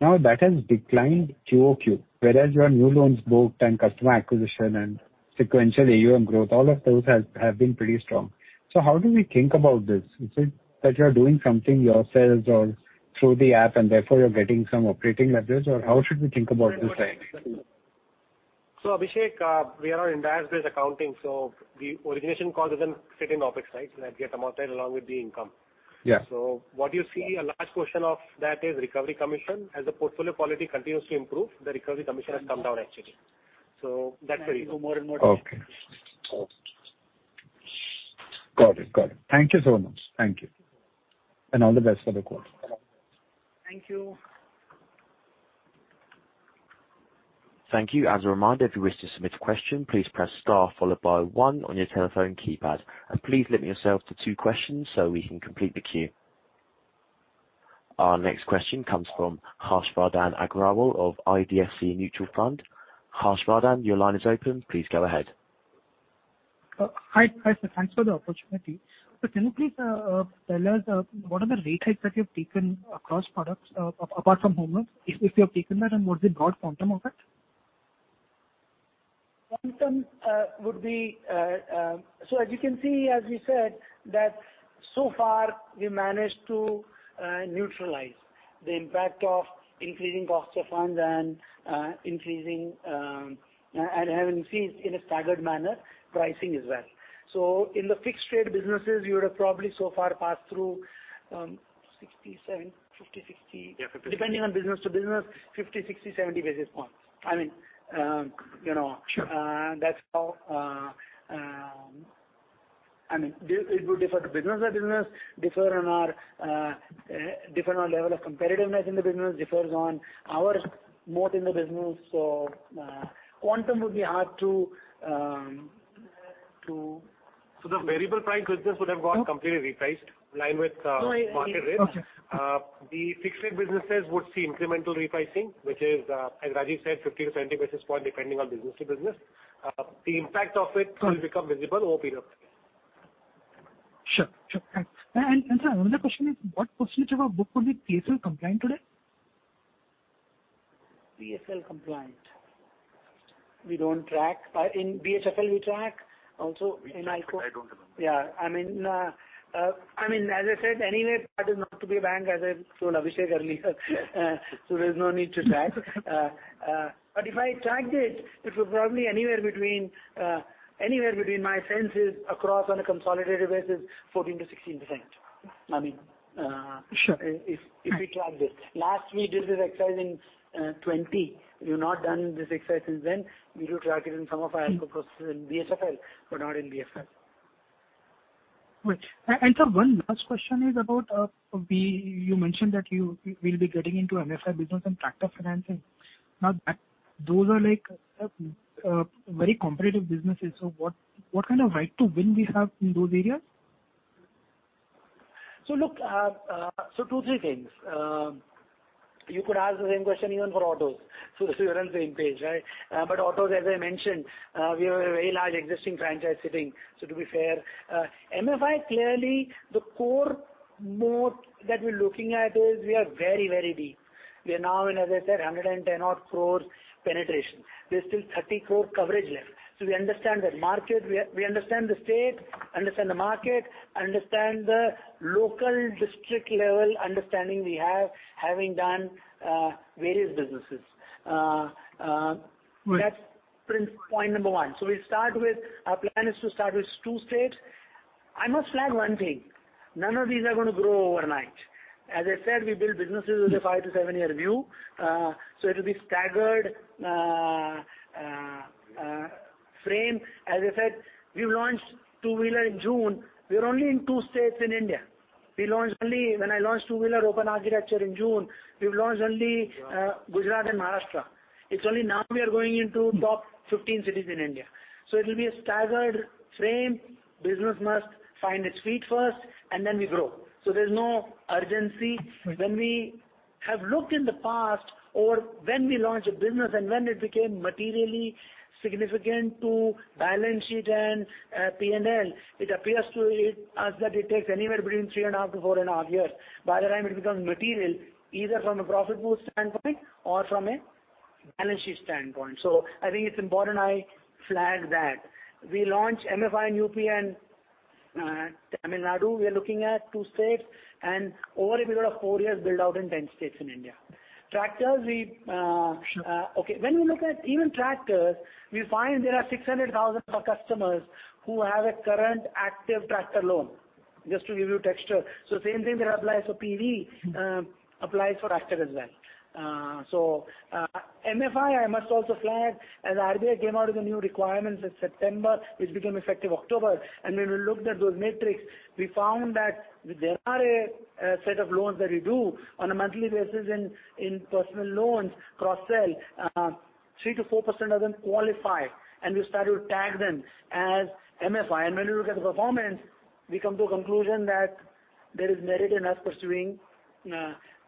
now that has declined QoQ, whereas your new loans booked and customer acquisition and sequential AUM growth, all of those have been pretty strong. How do we think about this? Is it that you're doing something yourselves or through the app and therefore you're getting some operating leverage, or how should we think about this? Abhishek, we are on an advance base accounting, so the origination cost doesn't fit in OpEx, right? That get amortized along with the income. Yeah. What you see a large portion of that is recovery commission. As the portfolio quality continues to improve, the recovery commission has come down actually. That's where you go more and more deep. Okay. Got it. Got it. Thank you so much. Thank you. All the best for the quarter. Thank you. Thank you. As a reminder, if you wish to submit a question, please press star followed by one on your telephone keypad. Please limit yourself to two questions so we can complete the queue. Our next question comes from Harshvardhan Agrawal of Bandhan Mutual Fund. Harshvardhan, your line is open. Please go ahead. Hi. Hi, sir. Thanks for the opportunity. Can you please tell us what are the rate hikes that you've taken across products, apart from home loans, if you have taken that, and what's the broad quantum of it? Quantum would be... As you can see, as we said that so far we managed to neutralize the impact of increasing cost of funds and increasing and having increased in a staggered manner, pricing as well. In the fixed rate businesses, you would have probably so far passed through 67, 50, 60-... Yeah, 50, 60. Depending on business to business, 50, 60, 70 basis points. I mean, you know. Sure. That's how, I mean, it would differ to business to business, differ on our, differ on level of competitiveness in the business, differs on our moat in the business. Quantum would be hard to. The variable price business would have got completely repriced in line with market risk. Okay. The fixed rate businesses would see incremental repricing, which is, as Rajeev said, 50 to 70 basis point depending on business to business. The impact of it will become visible over a period of time. Sure. Sure. Thanks. sir, another question is, what percentage of our book will be PSL compliant today? PSL compliant. We don't track. In BHFL we track. Also in ICICI. I don't remember. Yeah. I mean, as I said, anyway, part is not to be bank, as I told Abhishek earlier. There's no need to track. If I tracked it was probably anywhere between anywhere between my sense is across on a consolidated basis, 14%-16%. I mean, Sure. If we track this. Last we did this exercise in 2020. We've not done this exercise since then. We do track it in some of our processes in BHFL, but not in BFL. Great. Sir, one last question is about, you mentioned that we'll be getting into MFI business and tractor financing. Those are like very competitive businesses. What kind of right to win we have in those areas? Look, two, three things. You could ask the same question even for autos, so that we're on the same page, right? Autos, as I mentioned, we have a very large existing franchise sitting, so to be fair. MFI, clearly the core moat that we're looking at is we are very, very deep. We are now in, as I said, 110 odd crores penetration. There's still 30 crore coverage left. We understand the market. We understand the state, understand the market, understand the local district level understanding we have, having done various businesses. Right. That's point number one. Our plan is to start with two states. I must flag one thing. None of these are gonna grow overnight. As I said, we build businesses with a five year-seven year view. It will be staggered frame. As I said, we've launched two-wheeler in June. We are only in two states in India. When I launched two-wheeler open architecture in June, we've launched only Gujarat and Maharashtra. It's only now we are going into top 15 cities in India. It will be a staggered frame. Business must find its feet first and then we grow. There's no urgency. Right. When we have looked in the past or when we launched a business and when it became materially significant to balance sheet and P&L, it appears to us that it takes anywhere between three and a half to four and a half years. By that time it becomes material either from a profit pool standpoint or from a balance sheet standpoint. I think it's important I flag that. We launch MFI in UP and Tamil Nadu. We are looking at two states and over a period of four years build out in 10 states in India. Tractors. Sure. Okay. When we look at even tractors, we find there are 600,000 of our customers who have a current active tractor loan, just to give you texture. Same thing that applies for PV, applies for tractor as well. MFI, I must also flag, as RBI came out with the new requirements in September, which became effective October, and when we looked at those metrics, we found that there are a set of loans that we do on a monthly basis in personal loans, cross-sell, 3%-4% of them qualify, and we started to tag them as MFI. When we look at the performance, we come to a conclusion that there is merit in us pursuing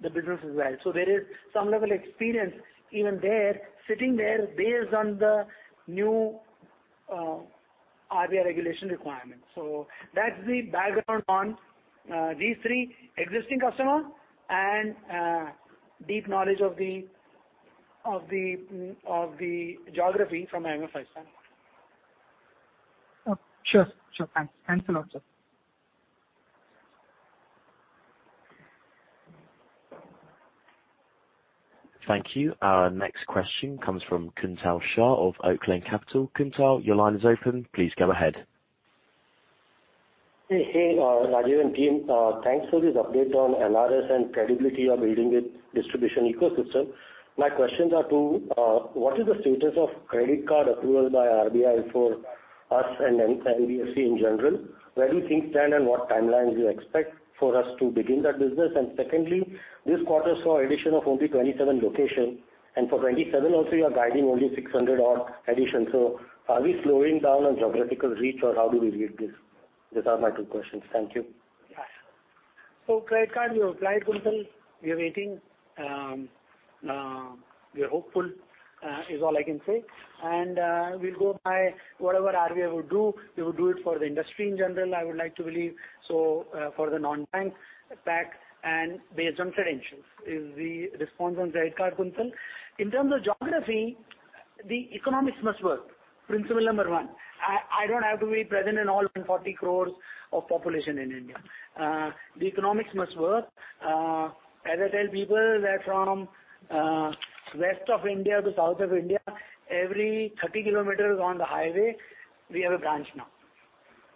the business as well. There is some level experience even there, sitting there based on the new RBI regulation requirements. That's the background on these three existing customer and deep knowledge of the geography from an MFI standpoint. Sure. Sure. Thanks. Thanks a lot, sir. Thank you. Our next question comes from Kuntal Shah of Oaklane Capital. Kuntal, your line is open. Please go ahead. Hey, hey, Rajeev and team. Thanks for this update on LRS and credibility you're building with distribution ecosystem. My questions are two. What is the status of credit card approval by RBI for us and any NBFC in general? Where do you think then and what timelines you expect for us to begin that business? Secondly, this quarter saw addition of only 27 locations, and for 27 also you are guiding only 600 odd additions. Are we slowing down on geographical reach or how do we read this? These are my two questions. Thank you. Credit card, we applied, Kuntal. We are waiting. We are hopeful is all I can say. We'll go by whatever RBI would do. They would do it for the industry in general, I would like to believe, so for the non-bank pack and based on credentials is the response on credit card, Kuntal. In terms of geography, the economics must work. Principle number one. I don't have to be present in all 40 crores of population in India. The economics must work. As I tell people that from west of India to south of India, every 30 km on the highway, we have a branch now,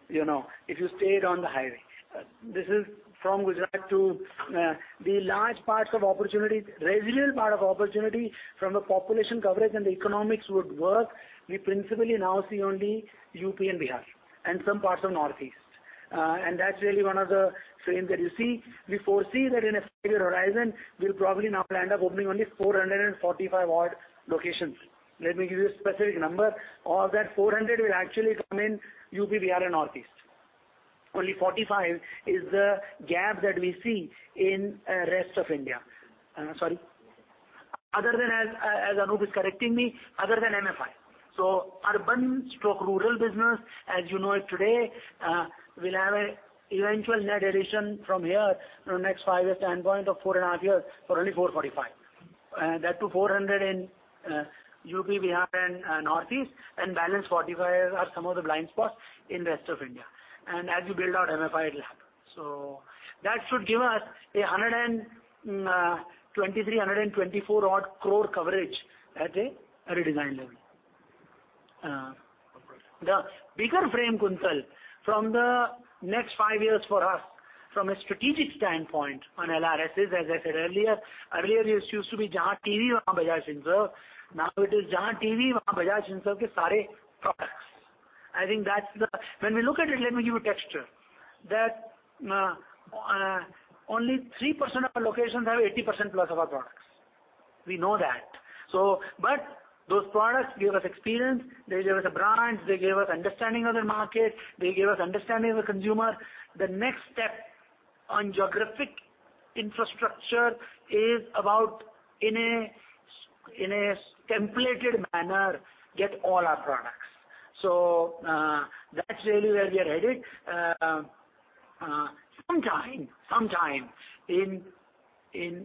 you know, if you stayed on the highway. This is from Gujarat to the large parts of opportunity, resilient part of opportunity from a population coverage and the economics would work, we principally now see only UP and Bihar and some parts of Northeast. That's really one of the frames that you see. We foresee that in a stated horizon, we'll probably now end up opening only 445 odd locations. Let me give you a specific number. Of that 400 will actually come in UP, Bihar and Northeast. Only 45 is the gap that we see in rest of India. Sorry. Other than as Anup is correcting me, other than MFI. Urban/rural business, as you know it today, will have a eventual net addition from here from next five-year standpoint of 4.5 Years for only 445. That to 400 in UP, Bihar and Northeast and balance 45 are some of the blind spots in rest of India. As you build out MFI, it'll happen. That should give us 123, 124 odd crore coverage at a redesigned level. The bigger frame, Kuntal, from the next five years for us from a strategic standpoint on LRS is, as I said earlier it used to be „Jahan TV, wahan Bajaj Finserv. Now it is, „Jahan TV, wahan Bajaj Finserv ke saare products. When we look at it, let me give you texture, that, only 3% of our locations have 80%+ of our products. We know that. But those products give us experience. They gave us a brand. They gave us understanding of the market. They gave us understanding of the consumer. The next step on geographic infrastructure is about in a templated manner, get all our products. That's really where we are headed. Sometime in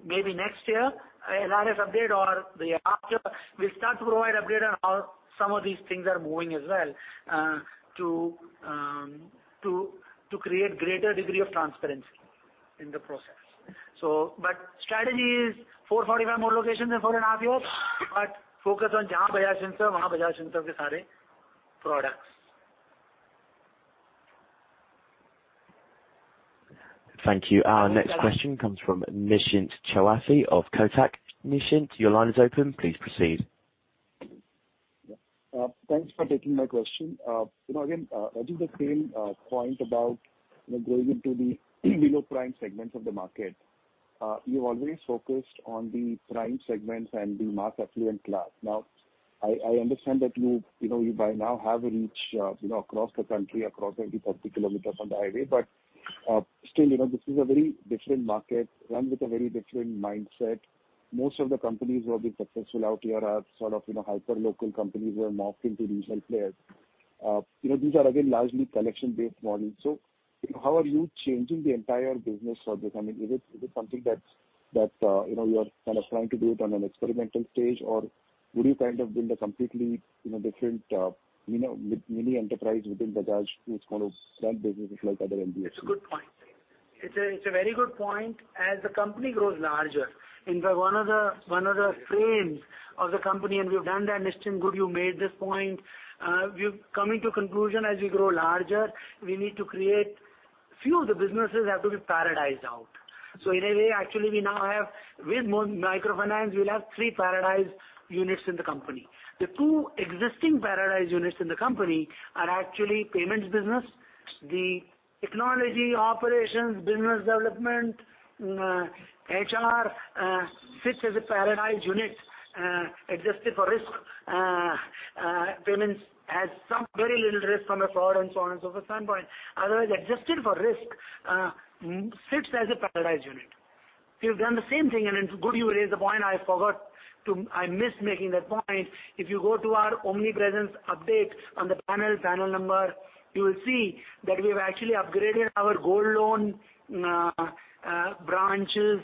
maybe next year, LRS update or the after, we'll start to provide update on how some of these things are moving as well, to create greater degree of transparency in the process. Strategy is 445 more locations in4.5 Years, but focus on Jahan Bajaj Finserv, wahan Bajaj Finserv ke saare products. Thank you. Thank you. Our next question comes from Nischint Chawathe of Kotak. Nischint, your line is open. Please proceed. Yeah. Thanks for taking my question. You know, again, what is the same point about, you know, going into the below prime segments of the market? You've always focused on the prime segments and the mass affluent class. Now, I understand that you know, you by now have a reach, you know, across the country, across every 30 km on the highway. Still, you know, this is a very different market run with a very different mindset. Most of the companies who have been successful out here are sort of, you know, hyperlocal companies who have morphed into regional players. You know, these are, again, largely collection-based models. You know, how are you changing the entire business for this? I mean, is it something that's, you know, you are kind of trying to do it on an experimental stage? Or would you kind of build a completely, you know, different, you know, mini enterprise within Bajaj Finance kind of brand businesses like other NBFC? It's a good point. It's a very good point. As the company grows larger, in fact one of the frames of the company, and we've done that, Nischint, good you made this point. We've come into conclusion as we grow larger, we need to create... Few of the businesses have to be parallelized out. In a way, actually we now have, with microfinance, we'll have three parallelized units in the company. The two existing parallelized units in the company are actually payments business, the technology operations, business development, HR sits as a parallelized unit, adjusted for risk. Payments has some very little risk from the fraud and so on and so forth standpoint. Otherwise, adjusted for risk, sits as a parallelized unit. We've done the same thing and it's good you raised the point I forgot to... I missed making that point. If you go to our omnipresence update on the panel number, you will see that we've actually upgraded our Gold loan branches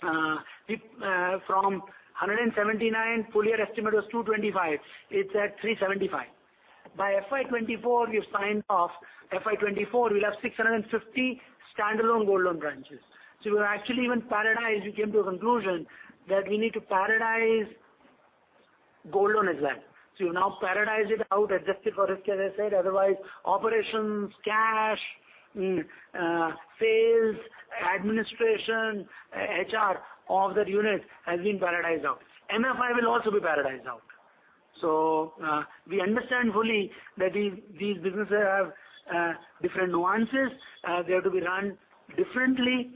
from 179, full year estimate was 225. It's at 375. By FY 2024 we've signed off. FY 2024 we'll have 650 standalone Gold loan branches. We've actually even parallelized. We came to a conclusion that we need to parallelized Gold loan as well. You now parallelized it out, adjust it for risk, as I said, otherwise operations, cash, sales, administration, HR of that unit has been parallelized out. MFI will also be parallelized out. We understand fully that these businesses have different nuances. They are to be run differently.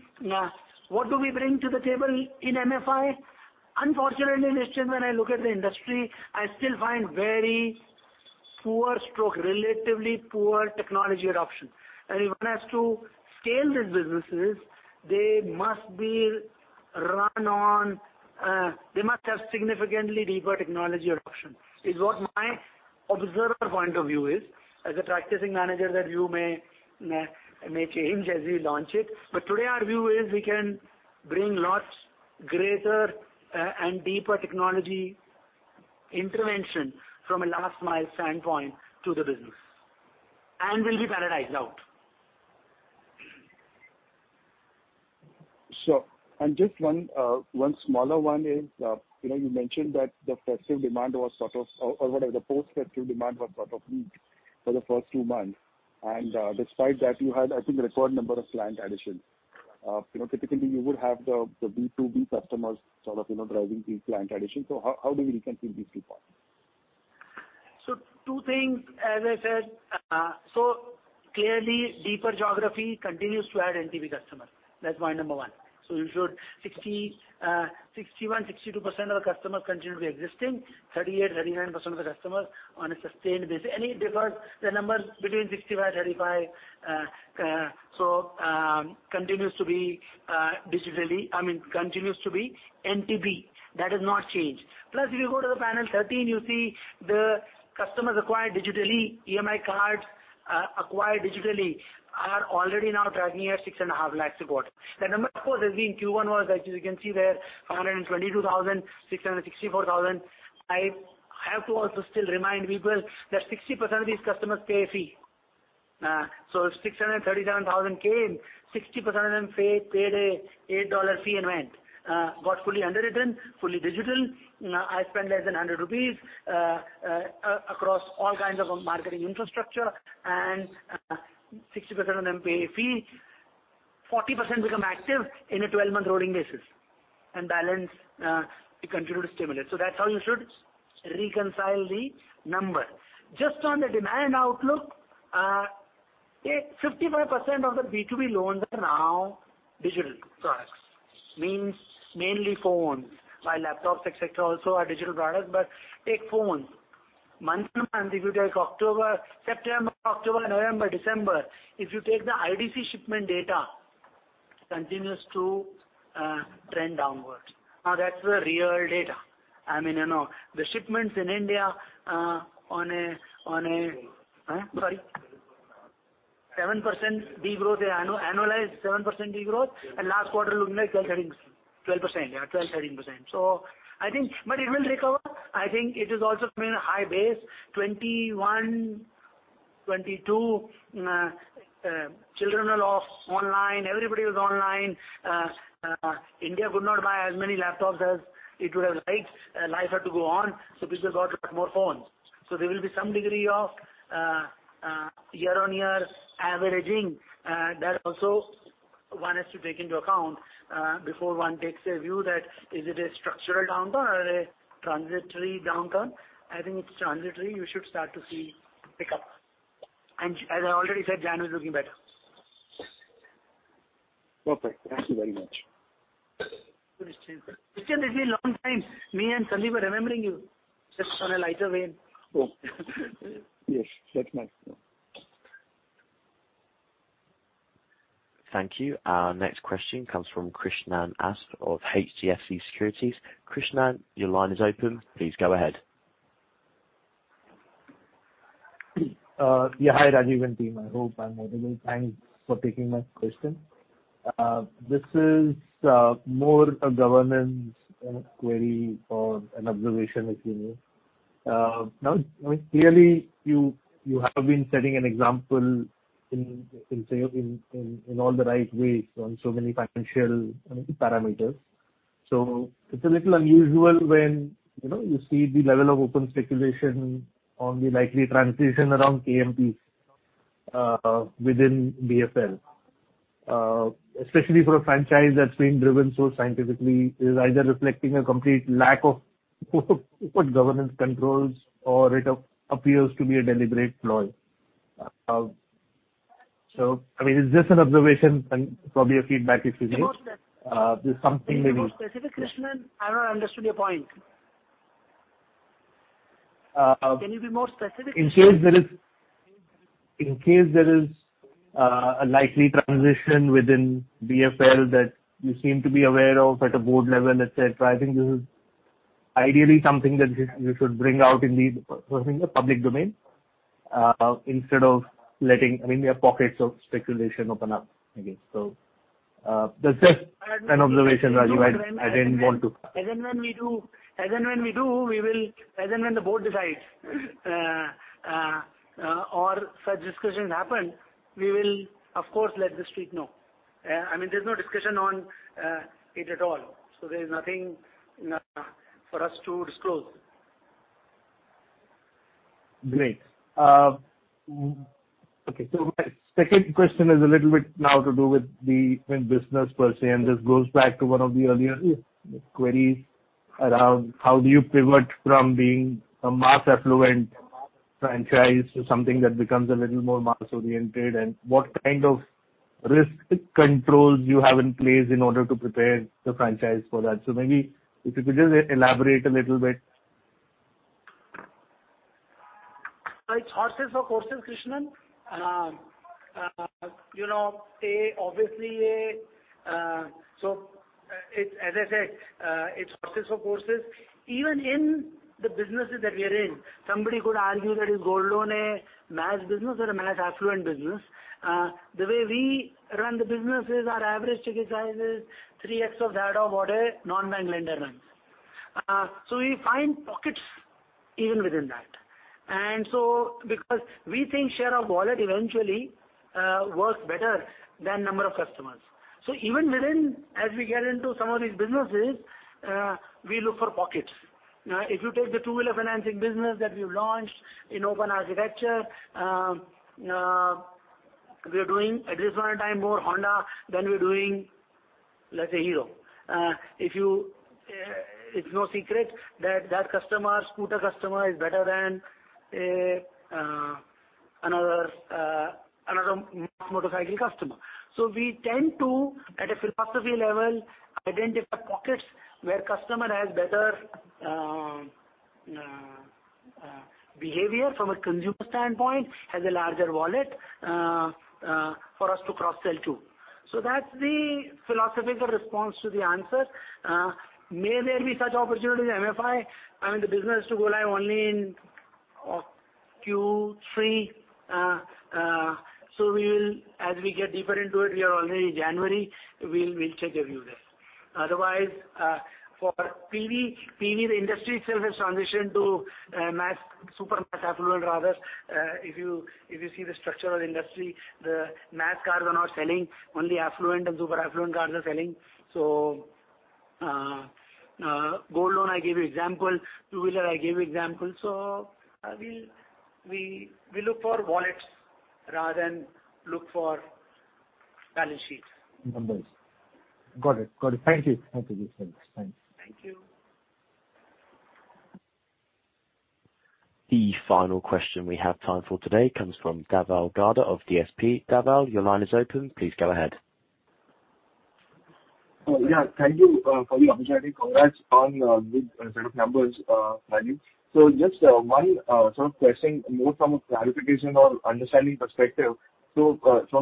What do we bring to the table in MFI? Unfortunately, Krishnan, when I look at the industry, I still find very poor stroke, relatively poor technology adoption. If one has to scale these businesses, they must have significantly deeper technology adoption, is what my observer point of view is. As a practicing manager, that view may change as we launch it. Today our view is we can bring lots greater and deeper technology intervention from a last mile standpoint to the business and will be parallelized out. Sure. Just one smaller one is, you know, you mentioned that the festive demand was sort of or whatever the post-festive demand was sort of weak for the first two months, and, despite that, you had, I think, a record number of client addition. You know, typically you would have the B2B customers sort of, you know, driving these client additions. How do we reconcile these two parts? Two things, as I said, clearly deeper geography continues to add NTB customers. That's point number one. 61%-62% of the customers continue to be existing. 38%-39% of the customers on a sustained basis. Any difference, the numbers between 65, 35, continues to be digitally. I mean, continues to be NTB. That has not changed. If you go to the panel 13, you see the customers acquired digitally, EMI cards, acquired digitally are already now driving at 6.5 lakhs support. The number, of course, as in Q1 was, as you can see there, 122,000, 664,000. I have to also still remind people that 60% of these customers pay a fee. If 637,000 came, 60% of them paid a $8 fee and went. Got fully underwritten, fully digital. I spent less than 100 rupees, across all kinds of marketing infrastructure and 60% of them pay a fee. 40% become active in a 12-month rolling basis and balance, we continue to stimulate. That's how you should reconcile the number. Just on the demand outlook, 55% of the B2B loans are now digital products. Means mainly phones. While laptops, et cetera, also are digital products, but take phones. Month on month, if you take September, October, November, December, if you take the IDC shipment data, continues to trend downwards. That's the real data. I mean, you know, the shipments in India. Sorry. 7% de-growth. Annualized 7% de-growth and last quarter looking like 12%, 13%, 12%, yeah, 12%, 13%. I think it will recover. I think it is also coming at a high base. 2021, 2022, children were all online. Everybody was online. India could not buy as many laptops as it would have liked. Life had to go on, people got a lot more phones. There will be some degree of year-on-year averaging. That also one has to take into account before one takes a view that is it a structural downturn or a transitory downturn? I think it's transitory. You should start to see pickup. As I already said, January is looking better. Perfect. Thank you very much. Nischint, it's been a long time. Me and Sandeep are remembering you just on a lighter vein. Oh. Yes, that's nice. Yeah. Thank you. Our next question comes from Krishnan ASV of HDFC Securities. Krishnan, your line is open. Please go ahead. Yeah. Hi, Rajeev and team. I hope I'm audible. Thanks for taking my question. This is more a governance query or an observation, if you may. I mean, clearly, you have been setting an example in say, in all the right ways on so many financial, I mean, parameters. It's a little unusual when, you know, you see the level of open speculation on the likely transition around KMPs within BFL. Especially for a franchise that's been driven so scientifically is either reflecting a complete lack of good governance controls or it appears to be a deliberate ploy. I mean, it's just an observation and probably a feedback if you need. Be more specific. there's something. Be more specific, Krishnan. I've not understood your point. Uh. Can you be more specific? In case there is a likely transition within BFL that you seem to be aware of at a board level, et cetera, I think this is ideally something that we should bring out in the, I think the public domain, instead of letting, I mean, there are pockets of speculation open up, I guess. That's just an observation, Rajeev. I didn't want to- As and when we do, As and when the board decides, or such discussions happen, we will of course let the street know. I mean, there's no discussion on it at all, so there's nothing for us to disclose. Great. Okay. My second question is a little bit now to do with the business per se, and this goes back to one of the earlier queries around how do you pivot from being a mass affluent franchise to something that becomes a little more mass-oriented and what kind of risk controls you have in place in order to prepare the franchise for that. Maybe if you could just elaborate a little bit. It's horses for courses, Krishnan. you know, as I said, it's horses for courses. Even in the businesses that we are in, somebody could argue that is gold loan a mass business or a mass affluent business. The way we run the businesses, our average ticket size is 3x of that of what a non-bank lender runs. Because we think share of wallet eventually, works better than number of customers. Even within, as we get into some of these businesses, we look for pockets. If you take the two-wheeler financing business that we've launched in open architecture, we are doing at this point in time more Honda than we're doing, let's say, Hero. If you. It's no secret that customer, scooter customer is better than another motorcycle customer. We tend to, at a philosophy level, identify pockets where customer has better behavior from a consumer standpoint, has a larger wallet for us to cross-sell to. That's the philosophical response to the answer. May there be such opportunities in MFI? I mean, the business is to go live only in Q3, we will, as we get deeper into it, we are already in January, we'll take a view there. Otherwise, for PV, the industry itself has transitioned to mass, super mass affluent rather. If you see the structure of the industry, the mass cars are not selling, only affluent and super affluent cars are selling. Gold loan, I gave you example, two-wheeler I gave you example. We look for wallets rather than look for balance sheets. Numbers. Got it. Got it. Thank you. Thank you. Thanks. Thank you. The final question we have time for today comes from Dhaval Gada of DSP. Dhaval, your line is open. Please go ahead. Thank you for the opportunity. Congrats on good set of numbers, Rajeev. Just one sort of question more from a clarification or understanding perspective. From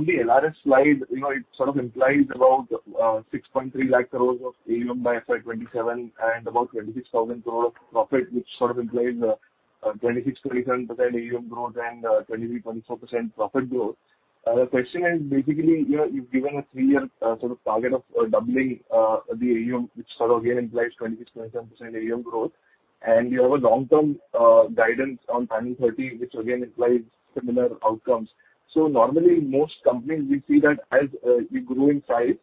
the LRS slide, you know, it sort of implies about 6.3 lakh crore of AUM by FY 2027 and about 26,000 crore of profit, which sort of implies 26%-27% AUM growth and 23%-24% profit growth. The question is basically, you know, you've given a three-year sort of target of doubling the AUM, which sort of again implies 26%-27% AUM growth. You have a long-term guidance on timing 30, which again implies similar outcomes. Normally most companies we see that as you grow in size,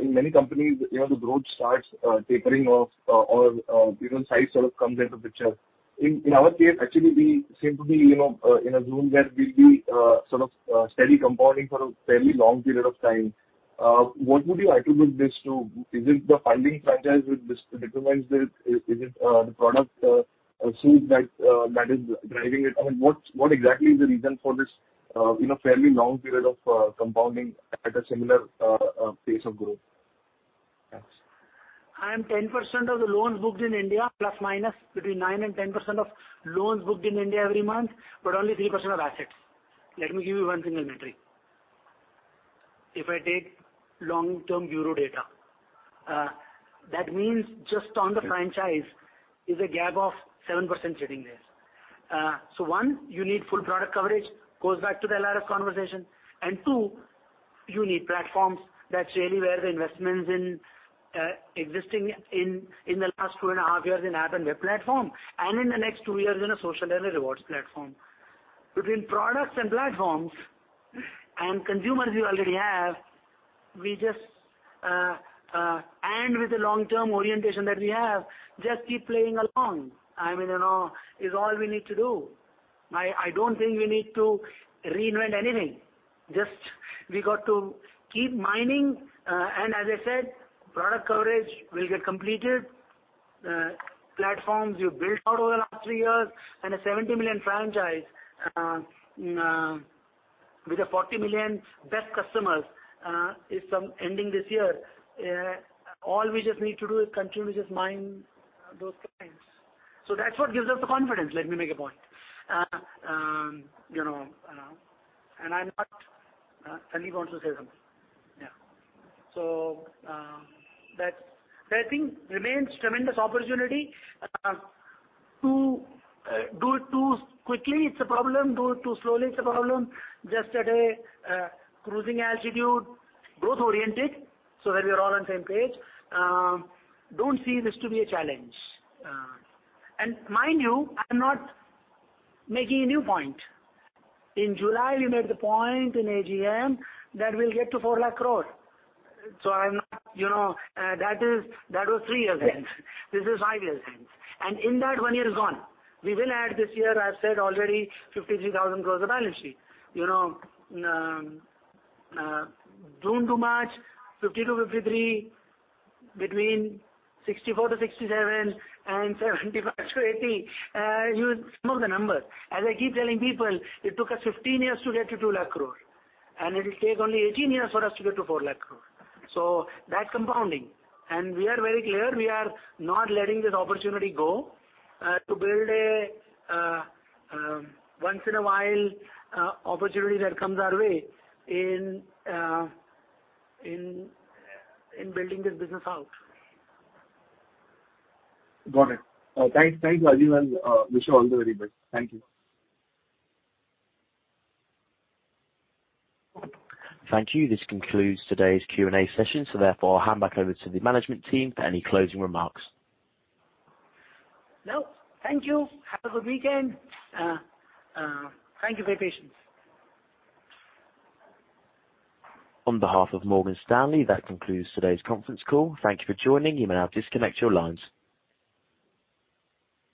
in many companies, you know, the growth starts tapering off or even size sort of comes into picture. In our case, actually we seem to be, you know, in a zone where we'll be sort of steady compounding for a fairly long period of time. What would you attribute this to? Is it the funding franchise which determines this? Is it the product suite that is driving it? I mean, what exactly is the reason for this, you know, fairly long period of compounding at a similar pace of growth? Thanks. I am 10% of the loans booked in India, ± between 9% and 10% of loans booked in India every month, but only 3% of assets. Let me give you one single metric. If I take long-term bureau data, that means just on the franchise is a gap of 7% sitting there. One, you need full product coverage, goes back to the LRS conversation. Two, you need platforms. That's really where the investments in existing in the last 2.5 years in app and web platform, and in the next two years in a social and a rewards platform. Between products and platforms and consumers you already have, we just, and with the long-term orientation that we have, just keep playing along. I mean, you know, is all we need to do. I don't think we need to reinvent anything. Just we got to keep mining, and as I said, product coverage will get completed. Platforms you built out over the last three years and a 70 million franchise with a 40 million best customers is some ending this year. All we just need to do is continuously mine those clients. That's what gives us the confidence, let me make a point. you know, and I'm not... Sandeep wants to say something. Yeah. That I think remains tremendous opportunity. To do it too quickly, it's a problem. Do it too slowly, it's a problem. Just at a cruising altitude, growth-oriented, so that we are all on the same page, don't see this to be a challenge. Mind you, I'm not making a new point. In July, we made the point in AGM that we'll get to 4 lakh crore. I'm not, you know, that was three years hence. This is five years hence. In that one year is gone. We will add this year, I've said already 53,000 crores of balance sheet. You know, June to March, 50-53, between 64-67 and 75-80. You sum up the number. As I keep telling people, it took us 15 years to get to 2 lakh crore, and it'll take only 18 years for us to get to 4 lakh crore. That's compounding. We are very clear, we are not letting this opportunity go to build a once in a while opportunity that comes our way in building this business out. Got it. Thanks. Thanks, Rajeev, and wish you all the very best. Thank you. Thank you. This concludes today's Q.&A. session, so therefore I'll hand back over to the management team for any closing remarks. No. Thank you. Have a good weekend. Thank you for your patience. On behalf of Morgan Stanley, that concludes today's conference call. Thank you for joining. You may now disconnect your lines.